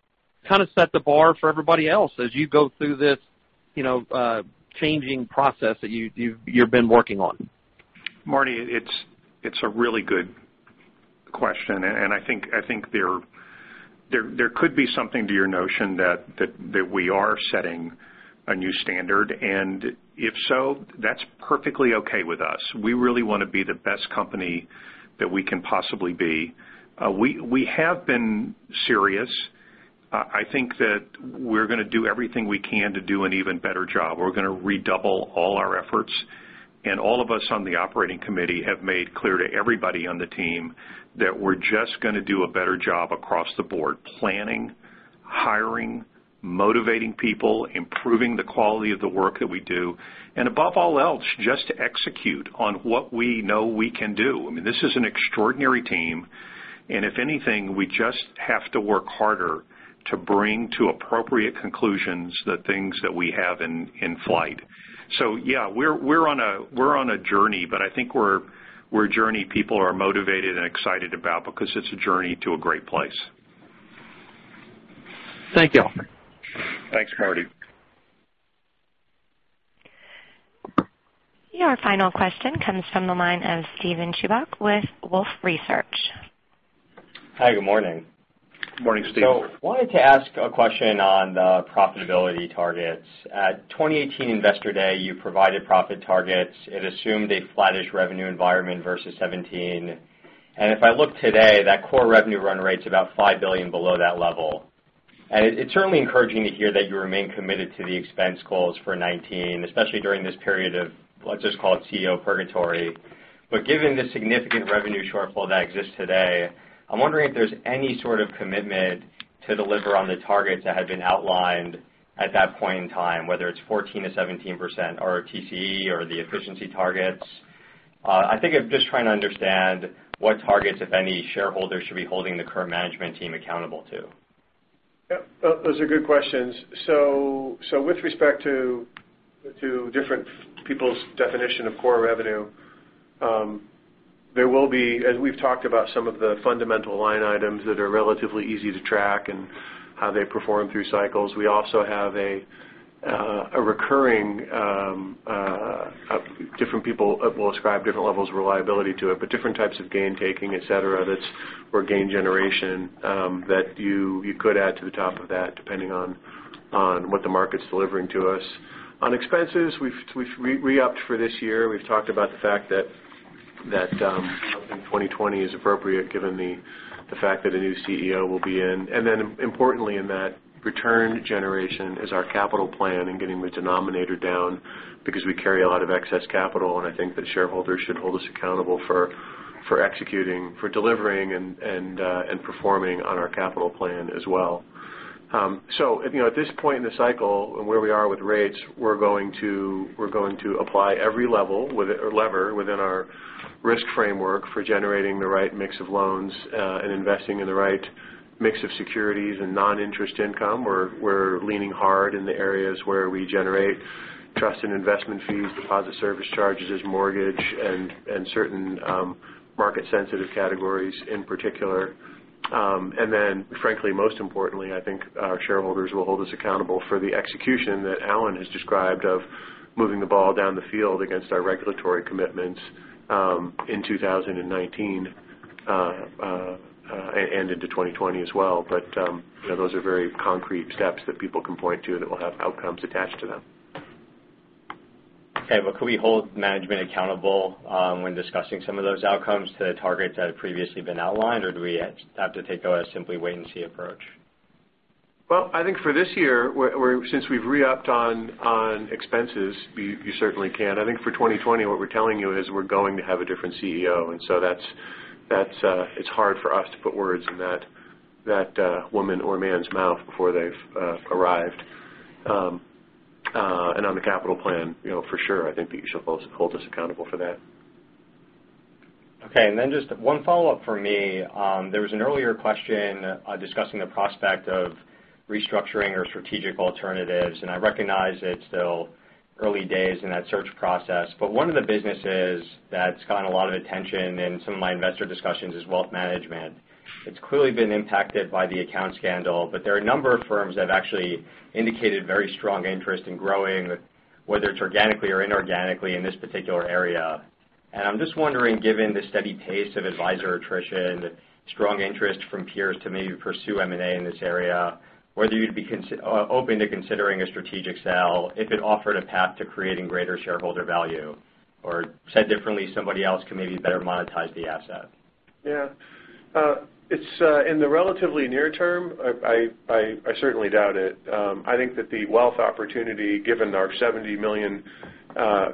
kind of set the bar for everybody else as you go through this changing process that you've been working on. Marty, it's a really good question, and I think there could be something to your notion that we are setting a new standard, and if so, that's perfectly okay with us. We really want to be the best company that we can possibly be. We have been serious. I think that we're going to do everything we can to do an even better job. We're going to redouble all our efforts, and all of us on the operating committee have made clear to everybody on the team that we're just going to do a better job across the board. Planning, hiring, motivating people, improving the quality of the work that we do, and above all else, just execute on what we know we can do. This is an extraordinary team, and if anything, we just have to work harder to bring to appropriate conclusions the things that we have in flight. Yeah, we're on a journey, but I think we're a journey people are motivated and excited about because it's a journey to a great place. Thank you. Thanks, Marty. Your final question comes from the line of Steven Chubak with Wolfe Research. Hi, good morning. Morning, Steven. Wanted to ask a question on the profitability targets. At 2018 Investor Day, you provided profit targets. It assumed a flattish revenue environment versus 2017. If I look today, that core revenue run rate's about $5 billion below that level. It's certainly encouraging to hear that you remain committed to the expense goals for 2019, especially during this period of, let's just call it CEO purgatory. Given the significant revenue shortfall that exists today, I'm wondering if there's any sort of commitment to deliver on the targets that had been outlined at that point in time, whether it's 14%-17% ROTCE or the efficiency targets. I think I'm just trying to understand what targets, if any, shareholders should be holding the current management team accountable to. Those are good questions. With respect to different people's definition of core revenue, there will be, as we've talked about some of the fundamental line items that are relatively easy to track and how they perform through cycles. We also have a recurring, different people will ascribe different levels of reliability to it, but different types of gain taking, et cetera. That's where gain generation that you could add to the top of that depending on what the market's delivering to us. On expenses, we've re-upped for this year. We've talked about the fact that something 2020 is appropriate given the fact that a new CEO will be in. Importantly in that return generation is our capital plan and getting the denominator down because we carry a lot of excess capital, and I think that shareholders should hold us accountable for executing, for delivering, and performing on our capital plan as well. At this point in the cycle and where we are with rates, we're going to apply every lever within our risk framework for generating the right mix of loans, and investing in the right mix of securities and non-interest income. We're leaning hard in the areas where we generate trust and investment fees, deposit service charges as mortgage, and certain market-sensitive categories in particular. Frankly, most importantly, I think our shareholders will hold us accountable for the execution that Allen has described of moving the ball down the field against our regulatory commitments in 2019, and into 2020 as well. Those are very concrete steps that people can point to that will have outcomes attached to them. Could we hold management accountable when discussing some of those outcomes to the targets that have previously been outlined? Do we have to take a simply wait-and-see approach? I think for this year, since we've re-upped on expenses, you certainly can. I think for 2020, what we're telling you is we're going to have a different CEO, it's hard for us to put words in that woman or man's mouth before they've arrived. On the capital plan, for sure, I think you should hold us accountable for that. Just one follow-up from me. There was an earlier question discussing the prospect of restructuring our strategic alternatives, I recognize it's still early days in that search process. One of the businesses that's gotten a lot of attention in some of my investor discussions is wealth management. It's clearly been impacted by the account scandal, there are a number of firms that have actually indicated very strong interest in growing, whether it's organically or inorganically in this particular area. I'm just wondering, given the steady pace of advisor attrition, strong interest from peers to maybe pursue M&A in this area, whether you'd be open to considering a strategic sale if it offered a path to creating greater shareholder value? Said differently, somebody else can maybe better monetize the asset. Yeah. In the relatively near term, I certainly doubt it. I think that the wealth opportunity, given our 70 million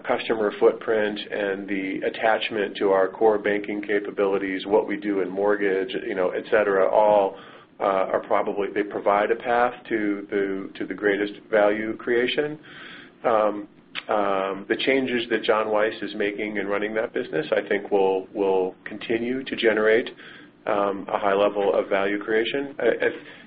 customer footprint and the attachment to our core banking capabilities, what we do in mortgage, et cetera, they provide a path to the greatest value creation. The changes that Jon Weiss is making in running that business, I think will continue to generate a high level of value creation.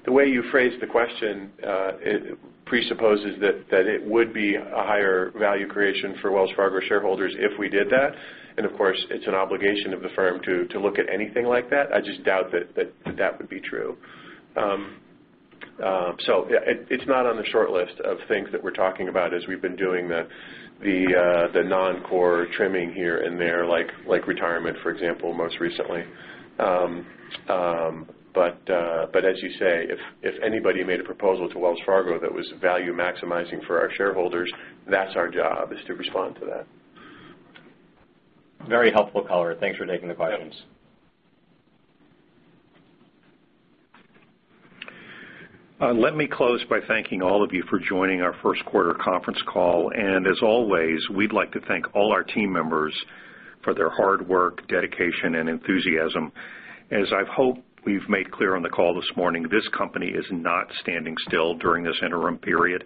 The way you phrased the question, it presupposes that it would be a higher value creation for Wells Fargo shareholders if we did that. Of course, it's an obligation of the firm to look at anything like that. I just doubt that that would be true. It's not on the short list of things that we're talking about as we've been doing the non-core trimming here and there, like retirement, for example, most recently. As you say, if anybody made a proposal to Wells Fargo that was value-maximizing for our shareholders, that's our job, is to respond to that. Very helpful, color. Thanks for taking the questions. Yeah. Let me close by thanking all of you for joining our first quarter conference call. As always, we'd like to thank all our team members for their hard work, dedication, and enthusiasm. As I hope we've made clear on the call this morning, this company is not standing still during this interim period,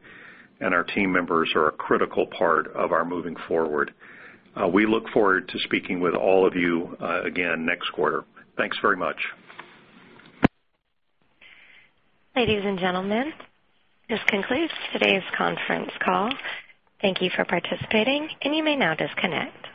and our team members are a critical part of our moving forward. We look forward to speaking with all of you again next quarter. Thanks very much. Ladies and gentlemen, this concludes today's conference call. Thank you for participating, and you may now disconnect.